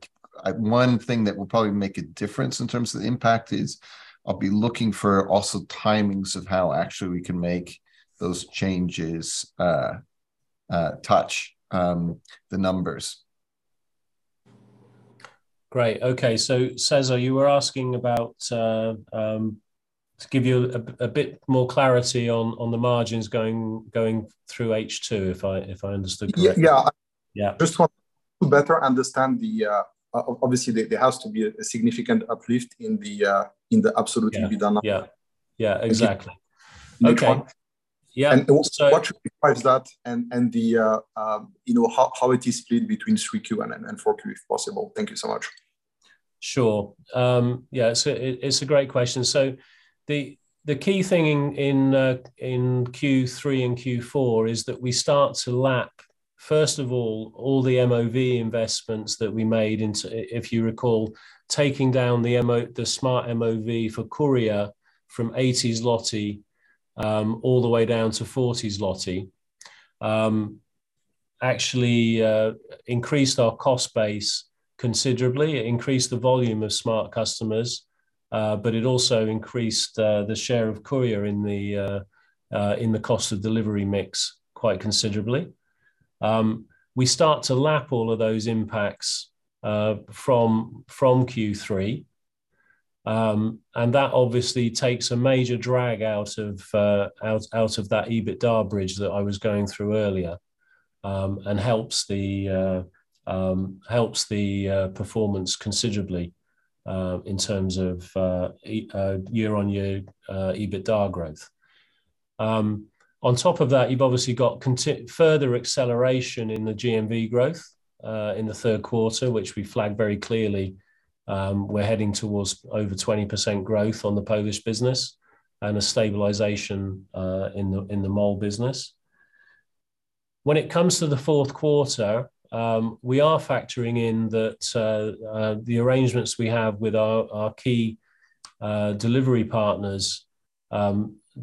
one thing that will probably make a difference in terms of the impact is I'll be looking for also timings of how actually we can make those changes, touch the numbers. Great. Okay. Cesar, you were asking about to give you a bit more clarity on the margins going through H2, if I understood correctly. Yeah, yeah. Yeah. I just want to better understand the obviously there has to be a significant uplift in the absolute EBITDA number. Yeah, exactly. In Q1. Okay. Yeah. Also, what should be price of that, and how it is split between 3Q and 4Q, if possible? Thank you so much. Sure. Yeah, it's a great question. The key thing in Q3 and Q4 is that we start to lap, first of all the MOV investments that we made into, if you recall, taking down the Smart MOV for courier from 80 all the way down to 40. Actually, increased our cost base considerably. It increased the volume of Smart customers, but it also increased the share of courier in the cost of delivery mix quite considerably. We start to lap all of those impacts from Q3. That obviously takes a major drag out of that EBITDA bridge that I was going through earlier, and helps the performance considerably in terms of year-on-year EBITDA growth. On top of that, you've obviously got further acceleration in the GMV growth in the Q3, which we flagged very clearly, we're heading towards over 20% growth on the Polish business and a stabilization in the mall business. When it comes to the Q4, we are factoring in that the arrangements we have with our key delivery partners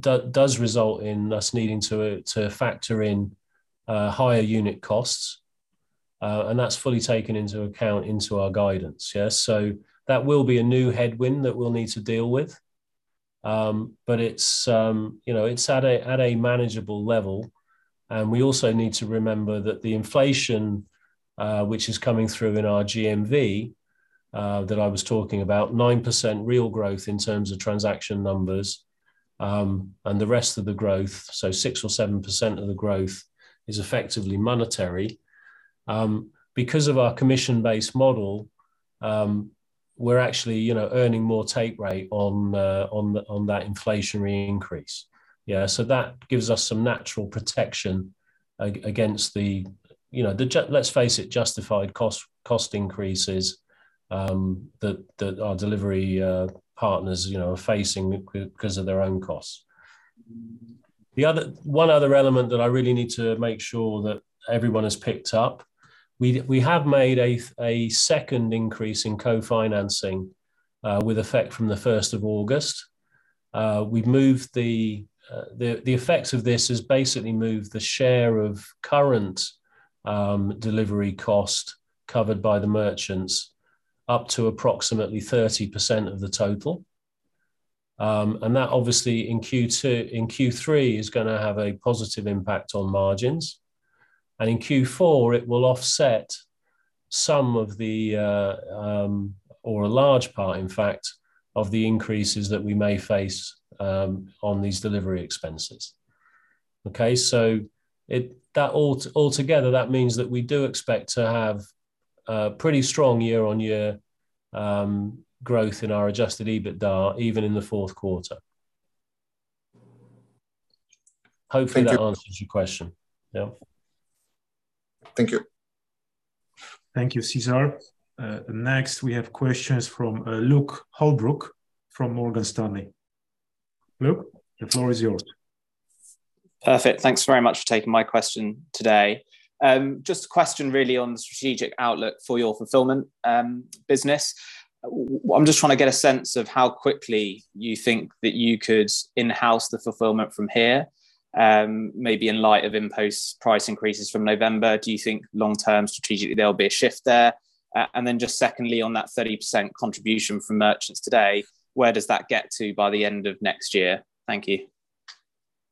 does result in us needing to factor in higher unit costs, and that's fully taken into account into our guidance. Yeah. That will be a new headwind that we'll need to deal with. It's, you know, at a manageable level. We also need to remember that the inflation, which is coming through in our GMV, that I was talking about, 9% real growth in terms of transaction numbers, and the rest of the growth, so 6% to 7% of the growth is effectively monetary. Because of our commission-based model, we're actually, you know, earning more take rate on that inflationary increase. Yeah. That gives us some natural protection against the, you know, let's face it, justified cost increases that our delivery partners, you know, are facing because of their own costs. One other element that I really need to make sure that everyone has picked up, we have made a second increase in co-financing with effect from the 1st of August. We've moved the effects of this has basically moved the share of current delivery cost covered by the merchants up to approximately 30% of the total. That obviously in Q3 is gonna have a positive impact on margins. In Q4, it will offset some of the or a large part, in fact, of the increases that we may face on these delivery expenses. Okay. It altogether, that means that we do expect to have a pretty strong year-on-year growth in our adjusted EBITDA, even in the Q4. Hopefully, that answers your question. Yeah. Thank you. Thank you, Cesar. Next, we have questions from Luke Holbrook from Morgan Stanley. Luke, the floor is yours. Perfect. Thanks very much for taking my question today. Just a question really on the strategic outlook for your fulfillment business. Well, I'm just trying to get a sense of how quickly you think that you could in-house the fulfillment from here, maybe in light of imposed price increases from November. Do you think long-term strategically there'll be a shift there? Just secondly, on that 30% contribution from merchants today, where does that get to by the end of next year? Thank you.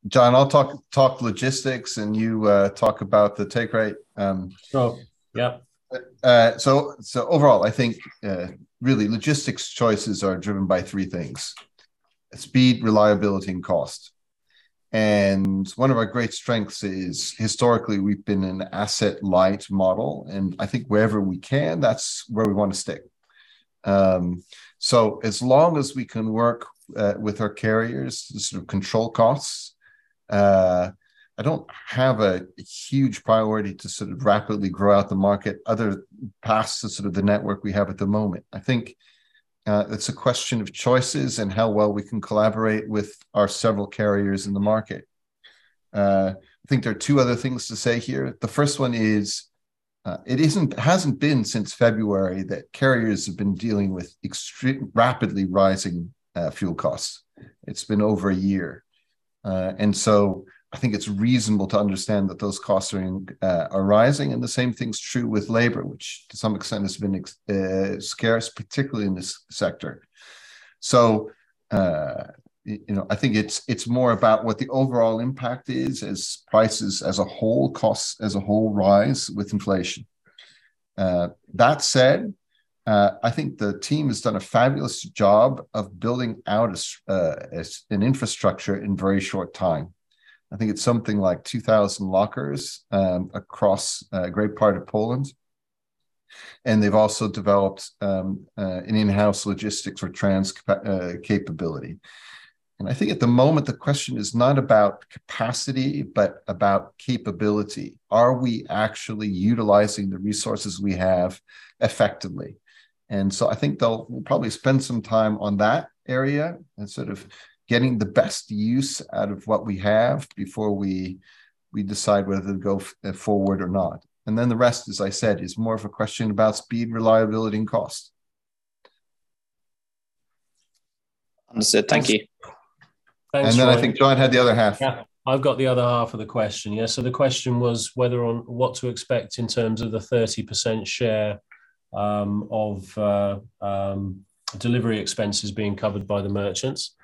Jon, I'll talk logistics and you talk about the take rate. Sure. Yeah Overall, I think really logistics choices are driven by 3 things, speed, reliability, and cost. One of our great strengths is, historically, we've been an asset light model, and I think wherever we can, that's where we wanna stay. As long as we can work with our carriers to sort of control costs, I don't have a huge priority to sort of rapidly grow out the market past the sort of the network we have at the moment. I think it's a question of choices and how well we can collaborate with our several carriers in the market. I think there are 2 other things to say here. The first one is, it hasn't been since February that carriers have been dealing with rapidly rising fuel costs. It's been over a year. I think it's reasonable to understand that those costs are rising, and the same thing's true with labor, which to some extent has been scarce, particularly in this sector. You know, I think it's more about what the overall impact is as prices as a whole, costs as a whole rise with inflation. That said, I think the team has done a fabulous job of building out an infrastructure in very short time. I think it's something like 2,000 lockers across a great part of Poland. They've also developed an in-house logistics capability. I think at the moment, the question is not about capacity, but about capability. Are we actually utilizing the resources we have effectively? I think we'll probably spend some time on that area and sort of getting the best use out of what we have before we decide whether to go forward or not. The rest, as I said, is more of a question about speed, reliability, and cost. Understood. Thank you. Thanks, Roy. I think Jon had the other half. Yeah. I've got the other half of the question. Yeah, so the question was whether on what to expect in terms of the 30% share of delivery expenses being covered by the merchants.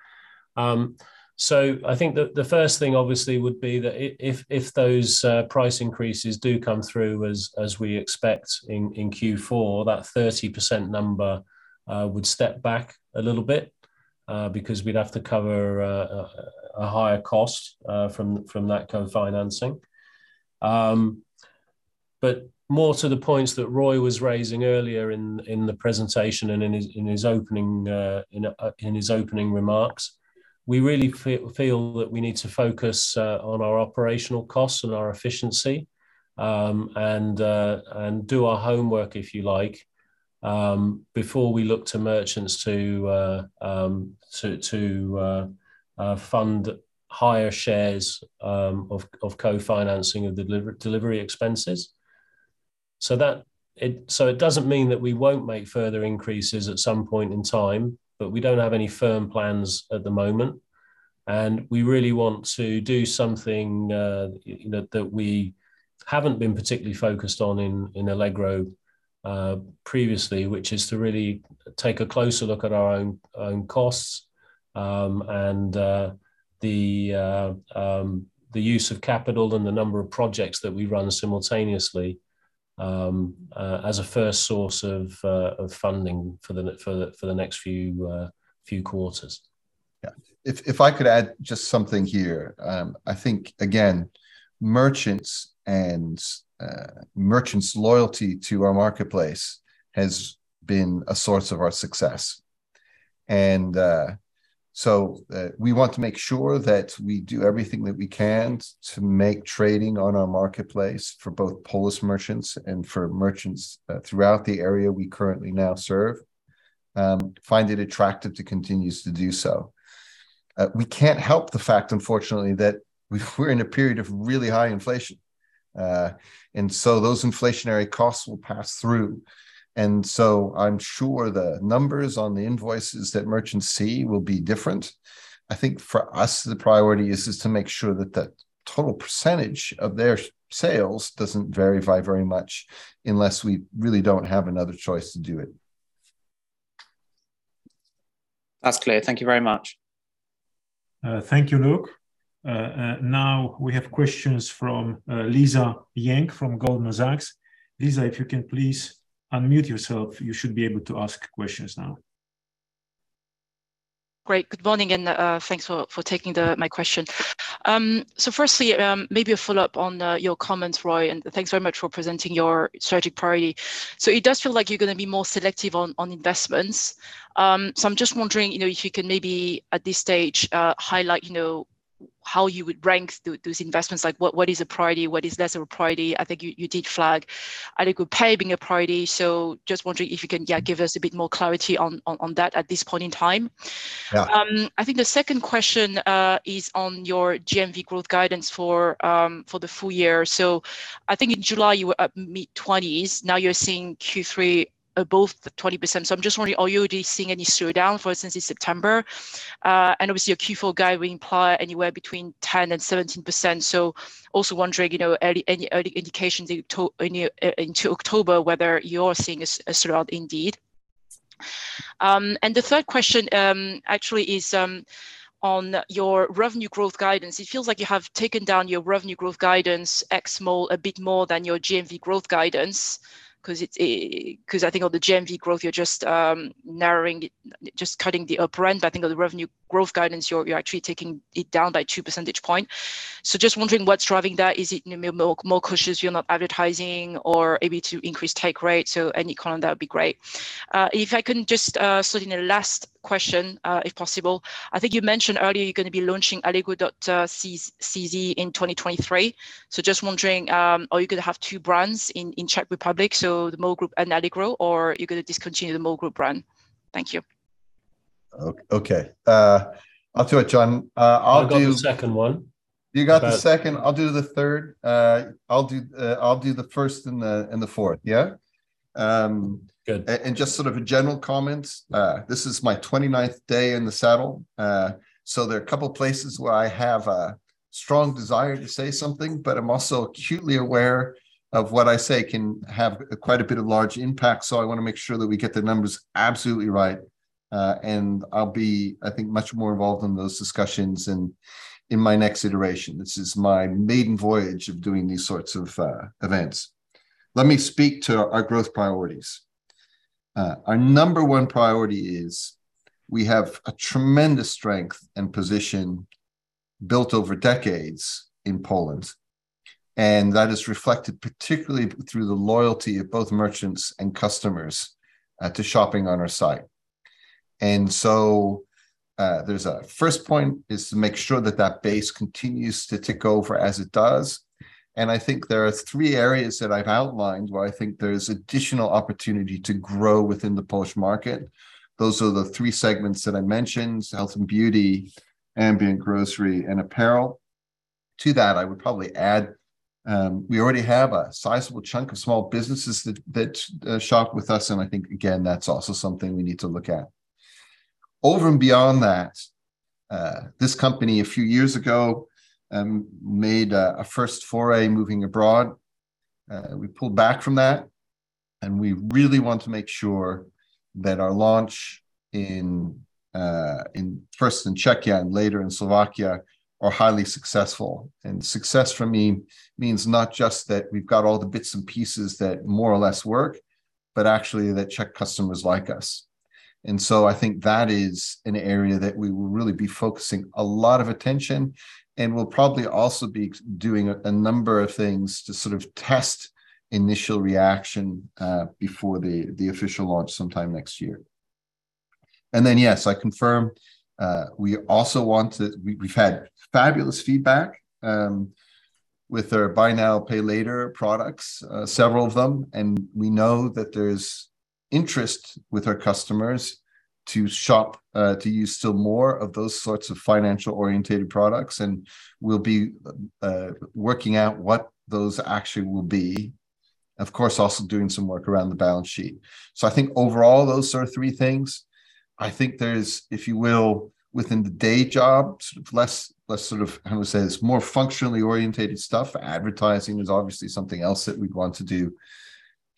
I think the first thing obviously would be that if those price increases do come through as we expect in Q4, that 30% number would step back a little bit because we'd have to cover a higher cost from that co-financing. More to the points that Roy was raising earlier in the presentation and in his opening remarks, we really feel that we need to focus on our operational costs and our efficiency, and do our homework, if you like, before we look to merchants to fund higher shares of co-financing of delivery expenses. It doesn't mean that we won't make further increases at some point in time, but we don't have any firm plans at the moment, and we really want to do something, you know, that we haven't been particularly focused on in Allegro previously, which is to really take a closer look at our own costs, and the use of capital and the number of projects that we run simultaneously, as a first source of funding for the next few quarters. Yeah. If I could add just something here. I think, again, merchants and merchants' loyalty to our marketplace has been a source of our success. We want to make sure that we do everything that we can to make trading on our marketplace for both Polish merchants and for merchants throughout the area we currently now serve find it attractive to continue to do so. We can't help the fact, unfortunately, that we're in a period of really high inflation. Those inflationary costs will pass through. I'm sure the numbers on the invoices that merchants see will be different. I think for us, the priority is just to make sure that the total percentage of their sales doesn't vary by very much unless we really don't have another choice to do it. That's clear. Thank you very much. Thank you, Luke. Now we have questions from Lisa Yang from Goldman Sachs. Lisa, if you can please unmute yourself, you should be able to ask questions now. Great. Good morning and thanks for taking my question. Maybe a follow-up on your comments, Roy, and thanks very much for presenting your strategic priority. It does feel like you're gonna be more selective on investments. I'm just wondering, you know, if you can maybe at this stage highlight, you know, how you would rank those investments. Like, what is a priority? What is lesser a priority? I think you did flag Allegro Pay being a priority. Just wondering if you can, yeah, give us a bit more clarity on that at this point in time. Yeah. I think the second question is on your GMV growth guidance for the full year. I think in July you were up mid-20s, now you're seeing Q3 above 20%. I'm just wondering, are you already seeing any slowdown, for instance, in September? Obviously your Q4 guide will imply anywhere between 10% to 17%. Also wondering, you know, any early indications into October whether you're seeing a slowdown indeed. The third question actually is on your revenue growth guidance. It feels like you have taken down your revenue growth guidance a bit more than your GMV growth guidance, 'cause I think on the GMV growth, you're just narrowing it, just cutting the upper end. I think on the revenue growth guidance, you're actually taking it down by 2% points. Just wondering what's driving that. Is it, you know, more cautious, you're not advertising or maybe to increase take rate. Any comment, that would be great. If I can just slot in a last question, if possible. I think you mentioned earlier you're gonna be launching Allegro.cz in 2023. Just wondering, are you gonna have 2 brands in Czech Republic, so the Mall Group and Allegro, or are you gonna discontinue the Mall Group brand? Thank you. Okay. I'll do it, Jon. I've got the second one. You got the second. But- I'll do the third. I'll do the 1st and the 4th. Yeah? Good Just sort of a general comment. This is my 29th day in the saddle. There are a couple of places where I have a strong desire to say something, but I'm also acutely aware of what I say can have quite a bit of large impact, so I wanna make sure that we get the numbers absolutely right. I'll be, I think, much more involved in those discussions in my next iteration. This is my maiden voyage of doing these sorts of events. Let me speak to our growth priorities. Our number 1 priority is we have a tremendous strength and position built over decades in Poland, and that is reflected particularly through the loyalty of both merchants and customers to shopping on our site. There's a first point is to make sure that that base continues to tick over as it does. I think there are 3 areas that I've outlined where I think there's additional opportunity to grow within the Polish market. Those are the 3 segments that I mentioned, health and beauty, ambient grocery, and apparel. To that, I would probably add, we already have a sizable chunk of small businesses that shop with us, and I think, again, that's also something we need to look at. Over and beyond that, this company a few years ago made a first foray moving abroad. We pulled back from that, and we really want to make sure that our launch first in Czechia and later in Slovakia are highly successful. Success for me means not just that we've got all the bits and pieces that more or less work, but actually that Czech customers like us. I think that is an area that we will really be focusing a lot of attention, and we'll probably also be doing a number of things to sort of test initial reaction before the official launch sometime next year. Yes, I confirm, we also want to. We've had fabulous feedback with our buy now, pay later products, several of them, and we know that there's interest with our customers to shop to use still more of those sorts of financial-oriented products. We'll be working out what those actually will be. Of course, also doing some work around the balance sheet. I think overall, those are 3 things. I think there's, if you will, within the day job, sort of less sort of how we say this, more functionally oriented stuff. Advertising is obviously something else that we'd want to do.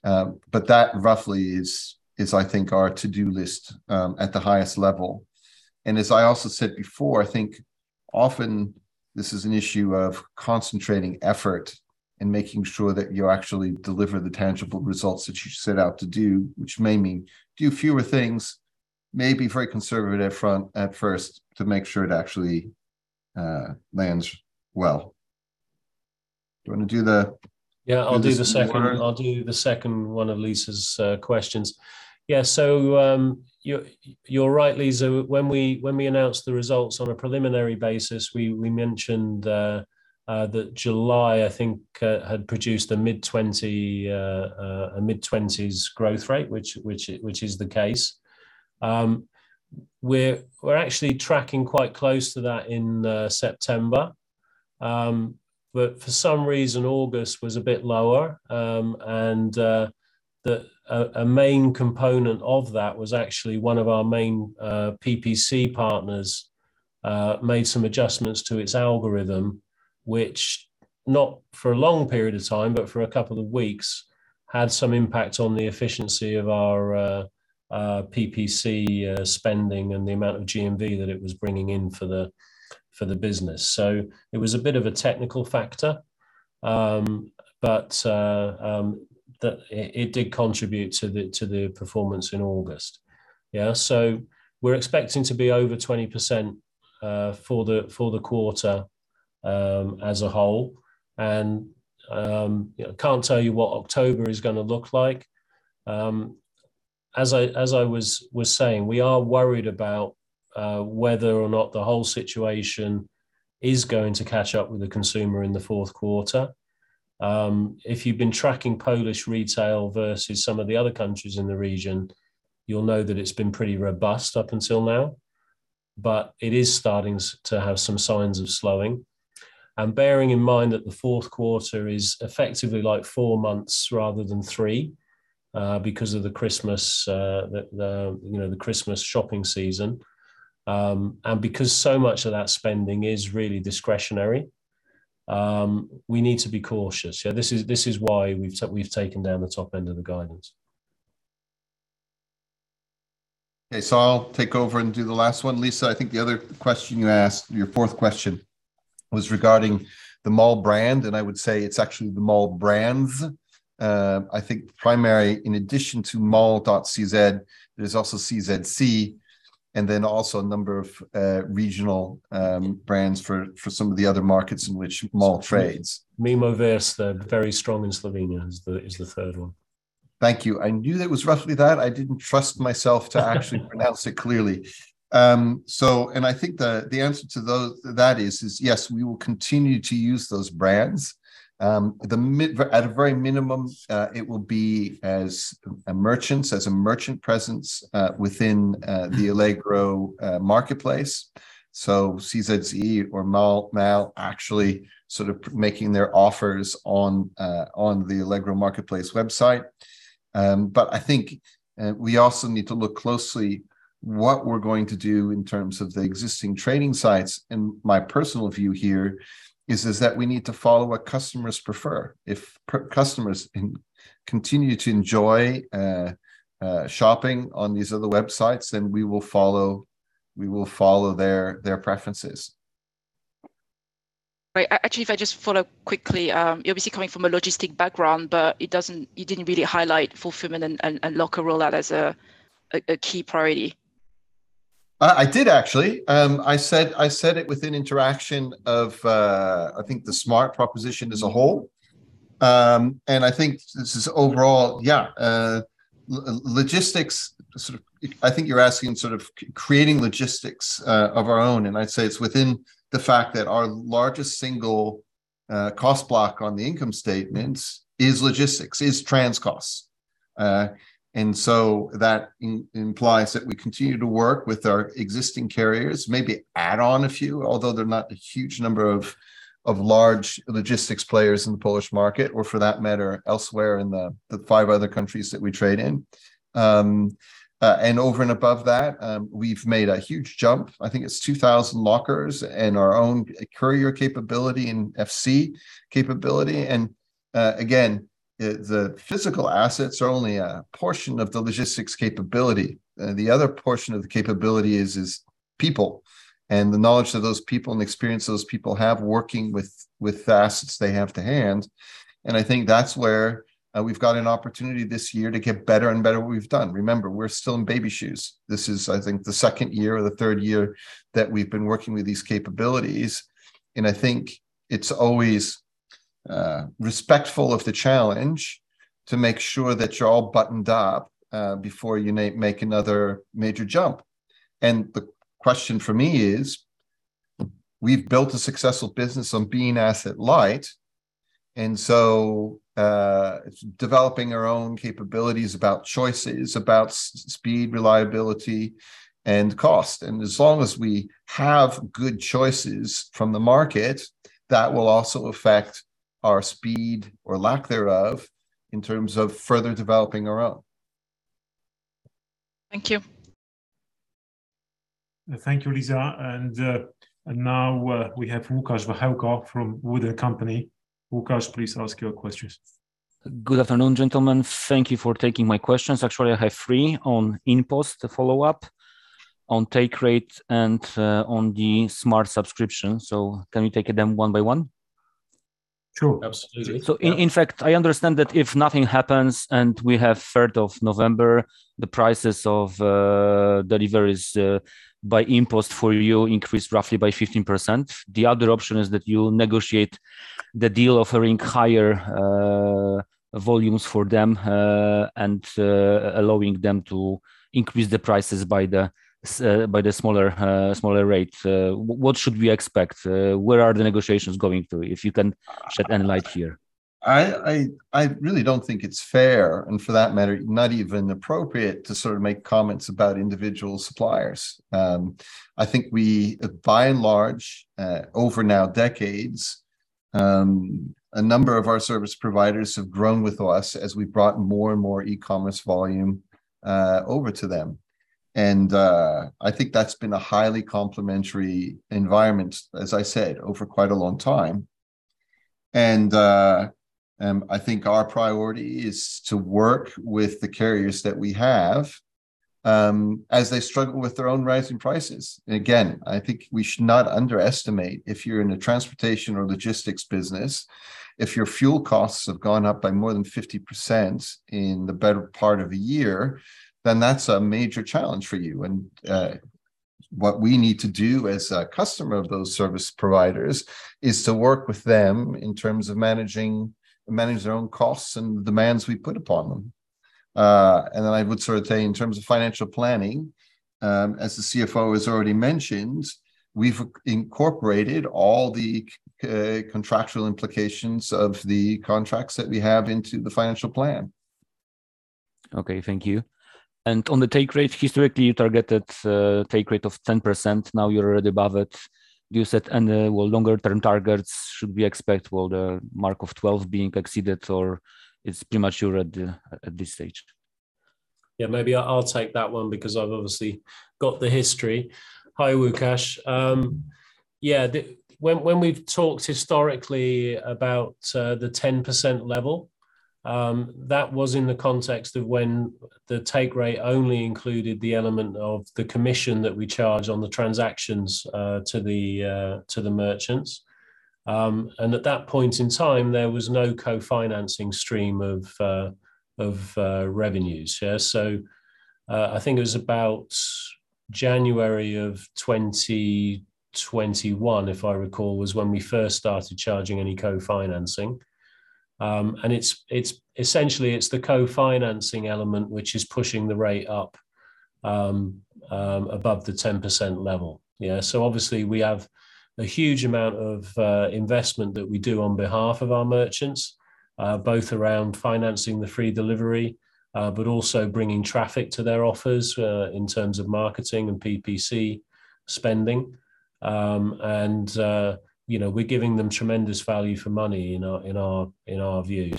That roughly is I think our to-do list at the highest level. As I also said before, I think often this is an issue of concentrating effort and making sure that you actually deliver the tangible results that you set out to do, which may mean do fewer things, maybe very conservative at first to make sure it actually lands well. Do you wanna do the- Yeah, I'll do the second. Do the second one. I'll do the second one of Lisa's questions. Yeah. You're right, Lisa. When we announced the results on a preliminary basis, we mentioned that July, I think, had produced a mid-20s% growth rate, which is the case. We're actually tracking quite close to that in September. For some reason, August was a bit lower. A main component of that was actually one of our main PPC partners made some adjustments to its algorithm, which not for a long period of time, but for a couple of weeks, had some impact on the efficiency of our PPC spending and the amount of GMV that it was bringing in for the business. It was a bit of a technical factor. It did contribute to the performance in August. Yeah. We're expecting to be over 20% for the quarter as a whole. You know, can't tell you what October is gonna look like. As I was saying, we are worried about whether or not the whole situation is going to catch up with the consumer in the Q4. If you've been tracking Polish retail versus some of the other countries in the region, you'll know that it's been pretty robust up until now. It is starting to have some signs of slowing. Bearing in mind that the Q4 is effectively like 4 months rather than 3, because of the Christmas shopping season, you know. Because so much of that spending is really discretionary, we need to be cautious. Yeah. This is why we've taken down the top end of the guidance. Okay. I'll take over and do the last one. Lisa, I think the other question you asked, your 4th question, was regarding the Mall brand, and I would say it's actually the Mall brands. I think primary, in addition to Mall.cz, there's also CZC.cz, and then also a number of regional brands for some of the other markets in which Mall trades. Mimovrste, very strong in Slovenia, is the third one. Thank you. I knew that was roughly that. I didn't trust myself to actually pronounce it clearly. I think the answer to that is yes, we will continue to use those brands. At a very minimum, it will be as a merchant presence within the Allegro marketplace. CZC.cz or Mall now actually sort of making their offers on the Allegro marketplace website. I think we also need to look closely at what we're going to do in terms of the existing trading sites. My personal view here is that we need to follow what customers prefer. If customers continue to enjoy shopping on these other websites, then we will follow their preferences. Right. Actually, if I just follow quickly, you're obviously coming from a logistics background, but you didn't really highlight fulfillment and local rollout as a key priority. I did actually. I said it within the context of the Smart! proposition as a whole. I think this is overall. Yeah, logistics sort of. I think you're asking sort of creating logistics of our own, and I'd say it's within the fact that our largest single cost block on the income statements is logistics, transport costs. That implies that we continue to work with our existing carriers, maybe add on a few, although they're not a huge number of large logistics players in the Polish market or for that matter elsewhere in the 5 other countries that we trade in. Over and above that, we've made a huge jump. I think it's 2,000 lockers and our own courier capability and FC capability. Again, the physical assets are only a portion of the logistics capability. The other portion of the capability is people and the knowledge that those people and experience those people have working with the assets they have to hand. I think that's where we've got an opportunity this year to get better and better at what we've done. Remember, we're still in baby shoes. This is, I think, the 2nd year or the 3rd year that we've been working with these capabilities. I think it's always respectful of the challenge to make sure that you're all buttoned up before you make another major jump. The question for me is, we've built a successful business on being asset light. It's developing our own capabilities about choices, about speed, reliability, and cost. As long as we have good choices from the market, that will also affect our speed or lack thereof in terms of further developing our own. Thank you. Thank you, Lisa. Now we have Łukasz Wachełko from WOOD & Company. Łukasz, please ask your questions. Good afternoon, gentlemen. Thank you for taking my questions. Actually, I have 3 on InPost, the follow-up, on take rate, and on the Smart! subscription. Can we take them one-by-one? Sure. Absolutely. Yeah. In fact, I understand that if nothing happens, and we have 3rd of November, the prices of deliveries by InPost for you increase roughly by 15%. The other option is that you negotiate the deal offering higher volumes for them, and allowing them to increase the prices by the smaller rate. What should we expect? Where are the negotiations going to, if you can shed any light here? I really don't think it's fair, and for that matter, not even appropriate to sort of make comments about individual suppliers. I think we by and large, over now decades, a number of our service providers have grown with us as we brought more and more e-commerce volume, over to them. I think that's been a highly complementary environment, as I said, over quite a long time. I think our priority is to work with the carriers that we have, as they struggle with their own rising prices. Again, I think we should not underestimate if you're in a transportation or logistics business, if your fuel costs have gone up by more than 50% in the better part of a year, then that's a major challenge for you. What we need to do as a customer of those service providers is to work with them in terms of managing their own costs and demands we put upon them. I would sort of say in terms of financial planning, as the CFO has already mentioned, we've incorporated all the contractual implications of the contracts that we have into the financial plan. Okay. Thank you. On the take rate, historically, you targeted a take rate of 10%. Now you're already above it. Do you set any, well, longer term targets? Should we expect, well, the mark of 12 being exceeded, or it's premature at this stage? Yeah, maybe I'll take that one because I've obviously got the history. Hi, Łukasz. Yeah. When we've talked historically about the 10% level, that was in the context of when the take rate only included the element of the commission that we charge on the transactions to the merchants. At that point in time, there was no co-financing stream of revenues. Yeah. I think it was about January of 2021, if I recall, was when we first started charging any co-financing. It's essentially the co-financing element which is pushing the rate up above the 10% level. Yeah. Obviously, we have a huge amount of investment that we do on behalf of our merchants, both around financing the free delivery, but also bringing traffic to their offers, in terms of marketing and PPC spending. You know, we're giving them tremendous value for money in our view.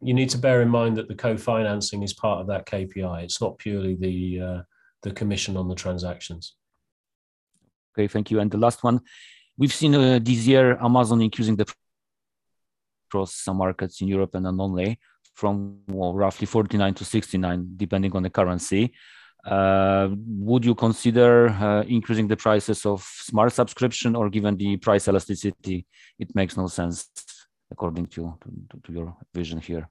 You need to bear in mind that the co-financing is part of that KPI. It's not purely the commission on the transactions. Okay. Thank you. The last one. We've seen this year Amazon increasing the price across some markets in Europe and Prime from, well, roughly 49-69, depending on the currency. Would you consider increasing the prices of Smart! subscription, or given the price elasticity, it makes no sense according to your vision here?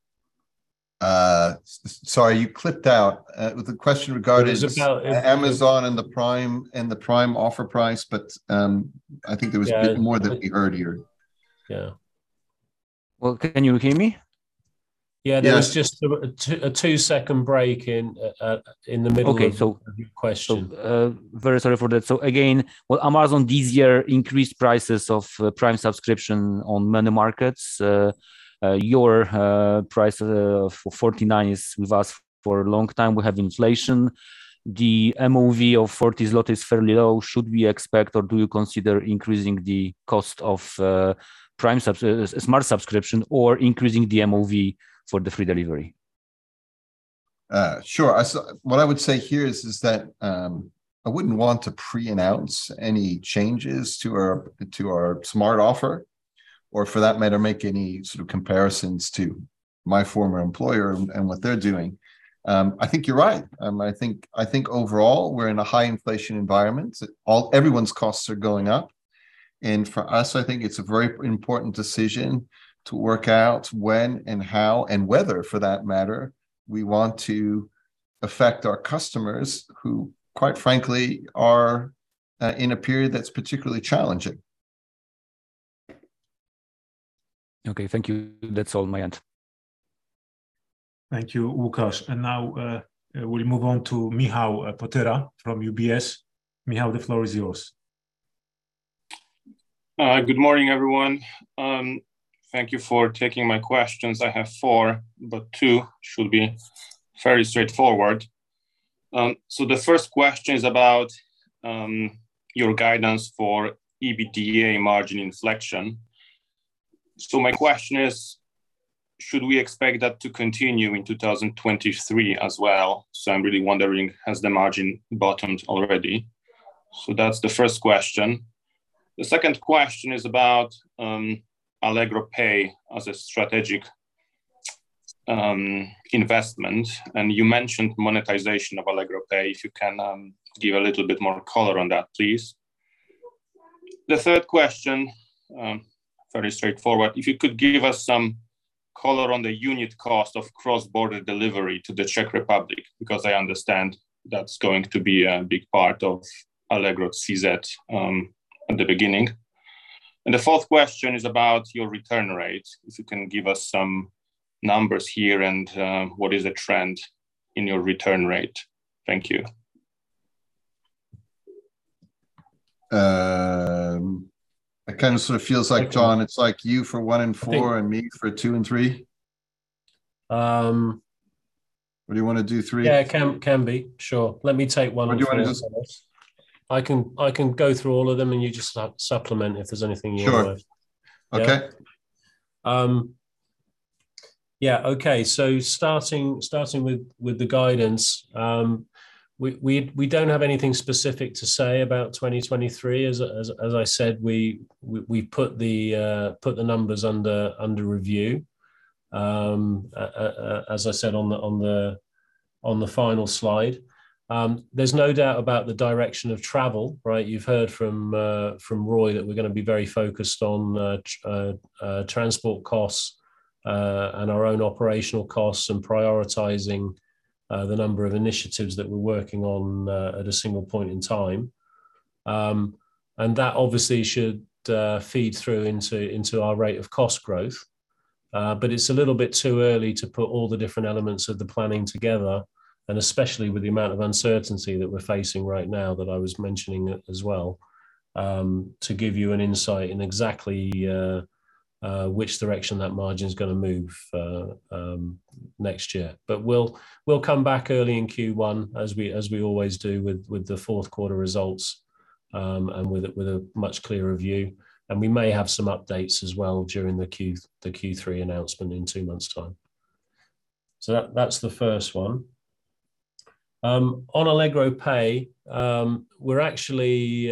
Sorry, you clipped out. The question regarding Just now if- Amazon and the Prime, and the Prime offer price, but I think there was a bit more that we heard here. Yeah. Well, can you hear me? Yeah. Yeah. There was just a 2-second break in the middle of. Okay. - Your question. Amazon this year increased prices of Prime subscription on many markets. Your price of 49 is with us for a long time. We have inflation. The MOV of 40 zloty is fairly low. Should we expect or do you consider increasing the cost of Smart! subscription or increasing the MOV for the free delivery? Sure. What I would say here is that I wouldn't want to preannounce any changes to our Smart! offer or for that matter make any sort of comparisons to my former employer and what they're doing. I think you're right. I think overall we're in a high inflation environment. Everyone's costs are going up, and for us, I think it's a very important decision to work out when and how, and whether for that matter, we want to affect our customers who, quite frankly, are in a period that's particularly challenging. Okay. Thank you. That's all my end. Thank you, Łukasz. Now, we move on to Michal Potyra from UBS. Michal, the floor is yours. Good morning, everyone. Thank you for taking my questions. I have 4, but 2 should be fairly straightforward. The first question is about your guidance for EBITDA margin inflection. My question is, should we expect that to continue in 2023 as well? I'm really wondering, has the margin bottomed already? That's the first question. The second question is about Allegro Pay as a strategic investment, and you mentioned monetization of Allegro Pay. If you can give a little bit more color on that, please. The third question, very straightforward. If you could give us some color on the unit cost of cross-border delivery to the Czech Republic, because I understand that's going to be a big part of Allegro.cz At the beginning. The 4th question is about your return rate, if you can give us some numbers here, and what is the trend in your return rate? Thank you. It kind of sort of feels like, Jon, it's like you for 1 and 4 and me for 2 and 3. I think. Do you wanna do 3 and 2? Yeah. Can be. Sure. Let me take 1 and 4 first. Do you wanna do this? I can go through all of them, and you just supplement if there's anything you want. Sure. Okay. Starting with the guidance, we don't have anything specific to say about 2023. As I said, we've put the numbers under review, as I said on the final slide. There's no doubt about the direction of travel, right? You've heard from Roy that we're gonna be very focused on transport costs and our own operational costs and prioritizing the number of initiatives that we're working on at a single point in time. That obviously should feed through into our rate of cost growth. It's a little bit too early to put all the different elements of the planning together, and especially with the amount of uncertainty that we're facing right now, that I was mentioning as well, to give you an insight in exactly which direction that margin's gonna move next year. We'll come back early in Q1, as we always do with the Q4 results, and with a much clearer view. We may have some updates as well during the Q3 announcement in 2 months' time. That's the first one. On Allegro Pay, we're actually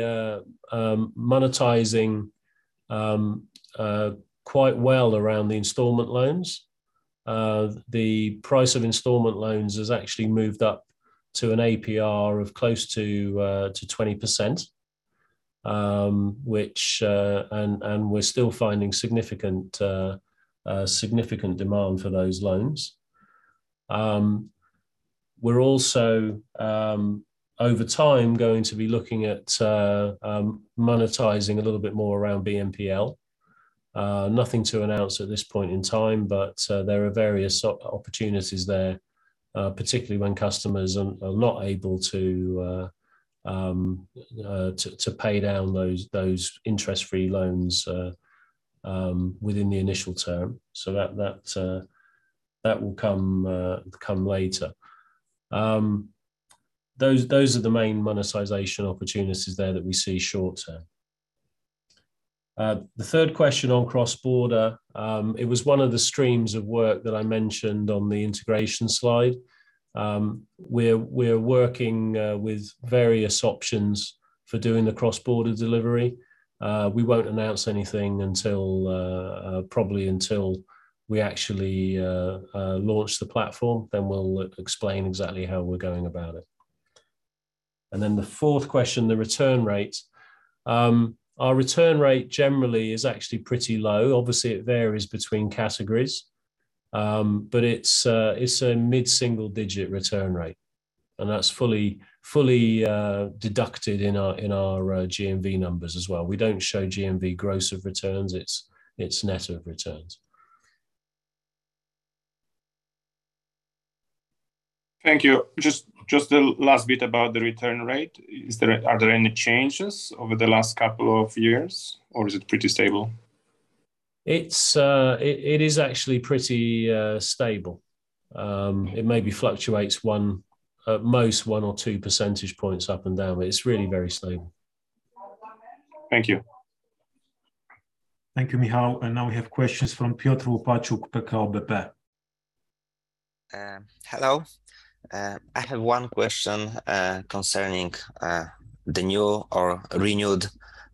monetizing quite well around the installment loans. The price of installment loans has actually moved up to an APR of close to 20%, which we're still finding significant demand for those loans. We're also over time going to be looking at monetizing a little bit more around BNPL. Nothing to announce at this point in time, but there are various opportunities there, particularly when customers are not able to pay down those interest-free loans within the initial term. That will come later. Those are the main monetization opportunities there that we see short term. The third question on cross-border, it was one of the streams of work that I mentioned on the integration slide. We're working with various options for doing the cross-border delivery. We won't announce anything until probably until we actually launch the platform. Then we'll explain exactly how we're going about it. Then the 4th question, the return rate. Our return rate generally is actually pretty low. Obviously, it varies between categories, but it's a mid-single digit return rate, and that's fully deducted in our GMV numbers as well. We don't show GMV gross of returns, it's net of returns. Thank you. Just a last bit about the return rate. Are there any changes over the last couple of years, or is it pretty stable? It is actually pretty stable. It maybe fluctuates 1, at most 1% or 2% points up and down, but it's really very stable. Thank you. Thank you, Michal. Now we have questions from Piotr Łopaciuk, PKO BP. Hello. I have 1 question concerning the new or renewed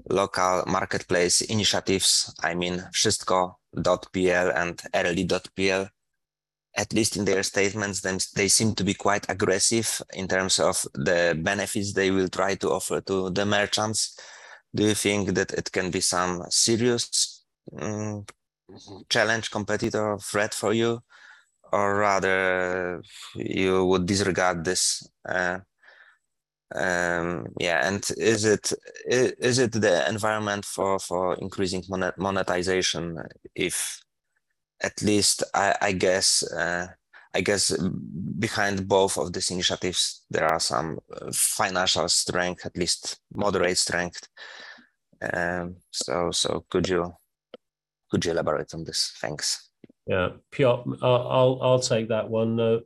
local marketplace initiatives. I mean, Wszystko.pl and Erli.pl. At least in their statements, they seem to be quite aggressive in terms of the benefits they will try to offer to the merchants. Do you think that it can be some serious challenge, competitor, or threat for you? Or rather you would disregard this? Yeah, and is it the environment for increasing monetization if, at least, I guess behind both of these initiatives there are some financial strength, at least moderate strength. Could you elaborate on this? Thanks. Yeah. Piotr, I'll take that one.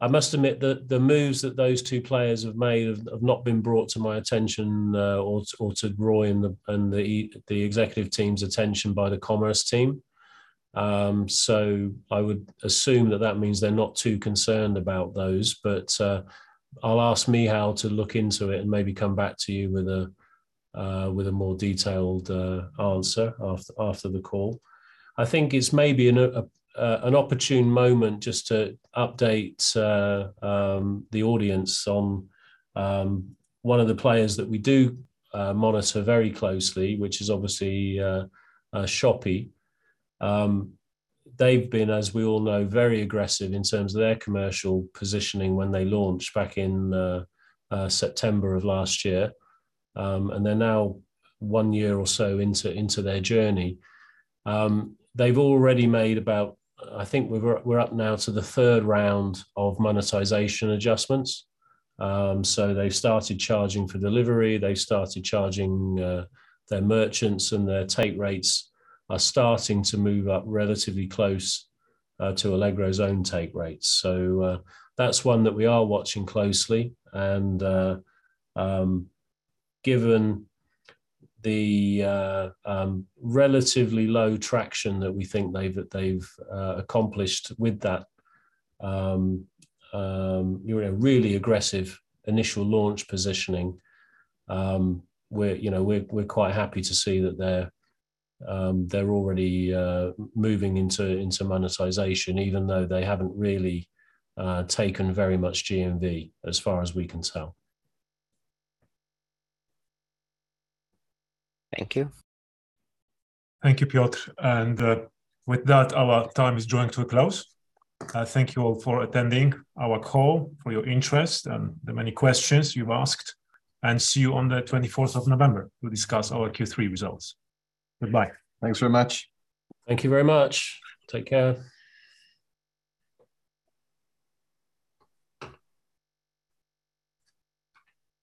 I must admit, the moves that those 2 players have made have not been brought to my attention, or to Roy and the executive team's attention by the commerce team. I would assume that means they're not too concerned about those. I'll ask Michal to look into it and maybe come back to you with a more detailed answer after the call. I think it's maybe an opportune moment just to update the audience on one of the players that we do monitor very closely, which is obviously Shopee. They've been, as we all know, very aggressive in terms of their commercial positioning when they launched back in September of last year. They're now 1 year or so into their journey. They've already made about. I think we're up now to the third round of monetization adjustments. They've started charging for delivery. They've started charging their merchants, and their take rates are starting to move up relatively close to Allegro's own take rates. That's 1 that we are watching closely, and given the relatively low traction that we think they've accomplished with that, you know, really aggressive initial launch positioning, we're, you know, quite happy to see that they're already moving into monetization, even though they haven't really taken very much GMV as far as we can tell. Thank you. Thank you, Piotr. With that, our time is drawing to a close. Thank you all for attending our call, for your interest and the many questions you've asked. See you on the 24th of November to discuss our Q3 results. Goodbye. Thanks very much. Thank you very much. Take care.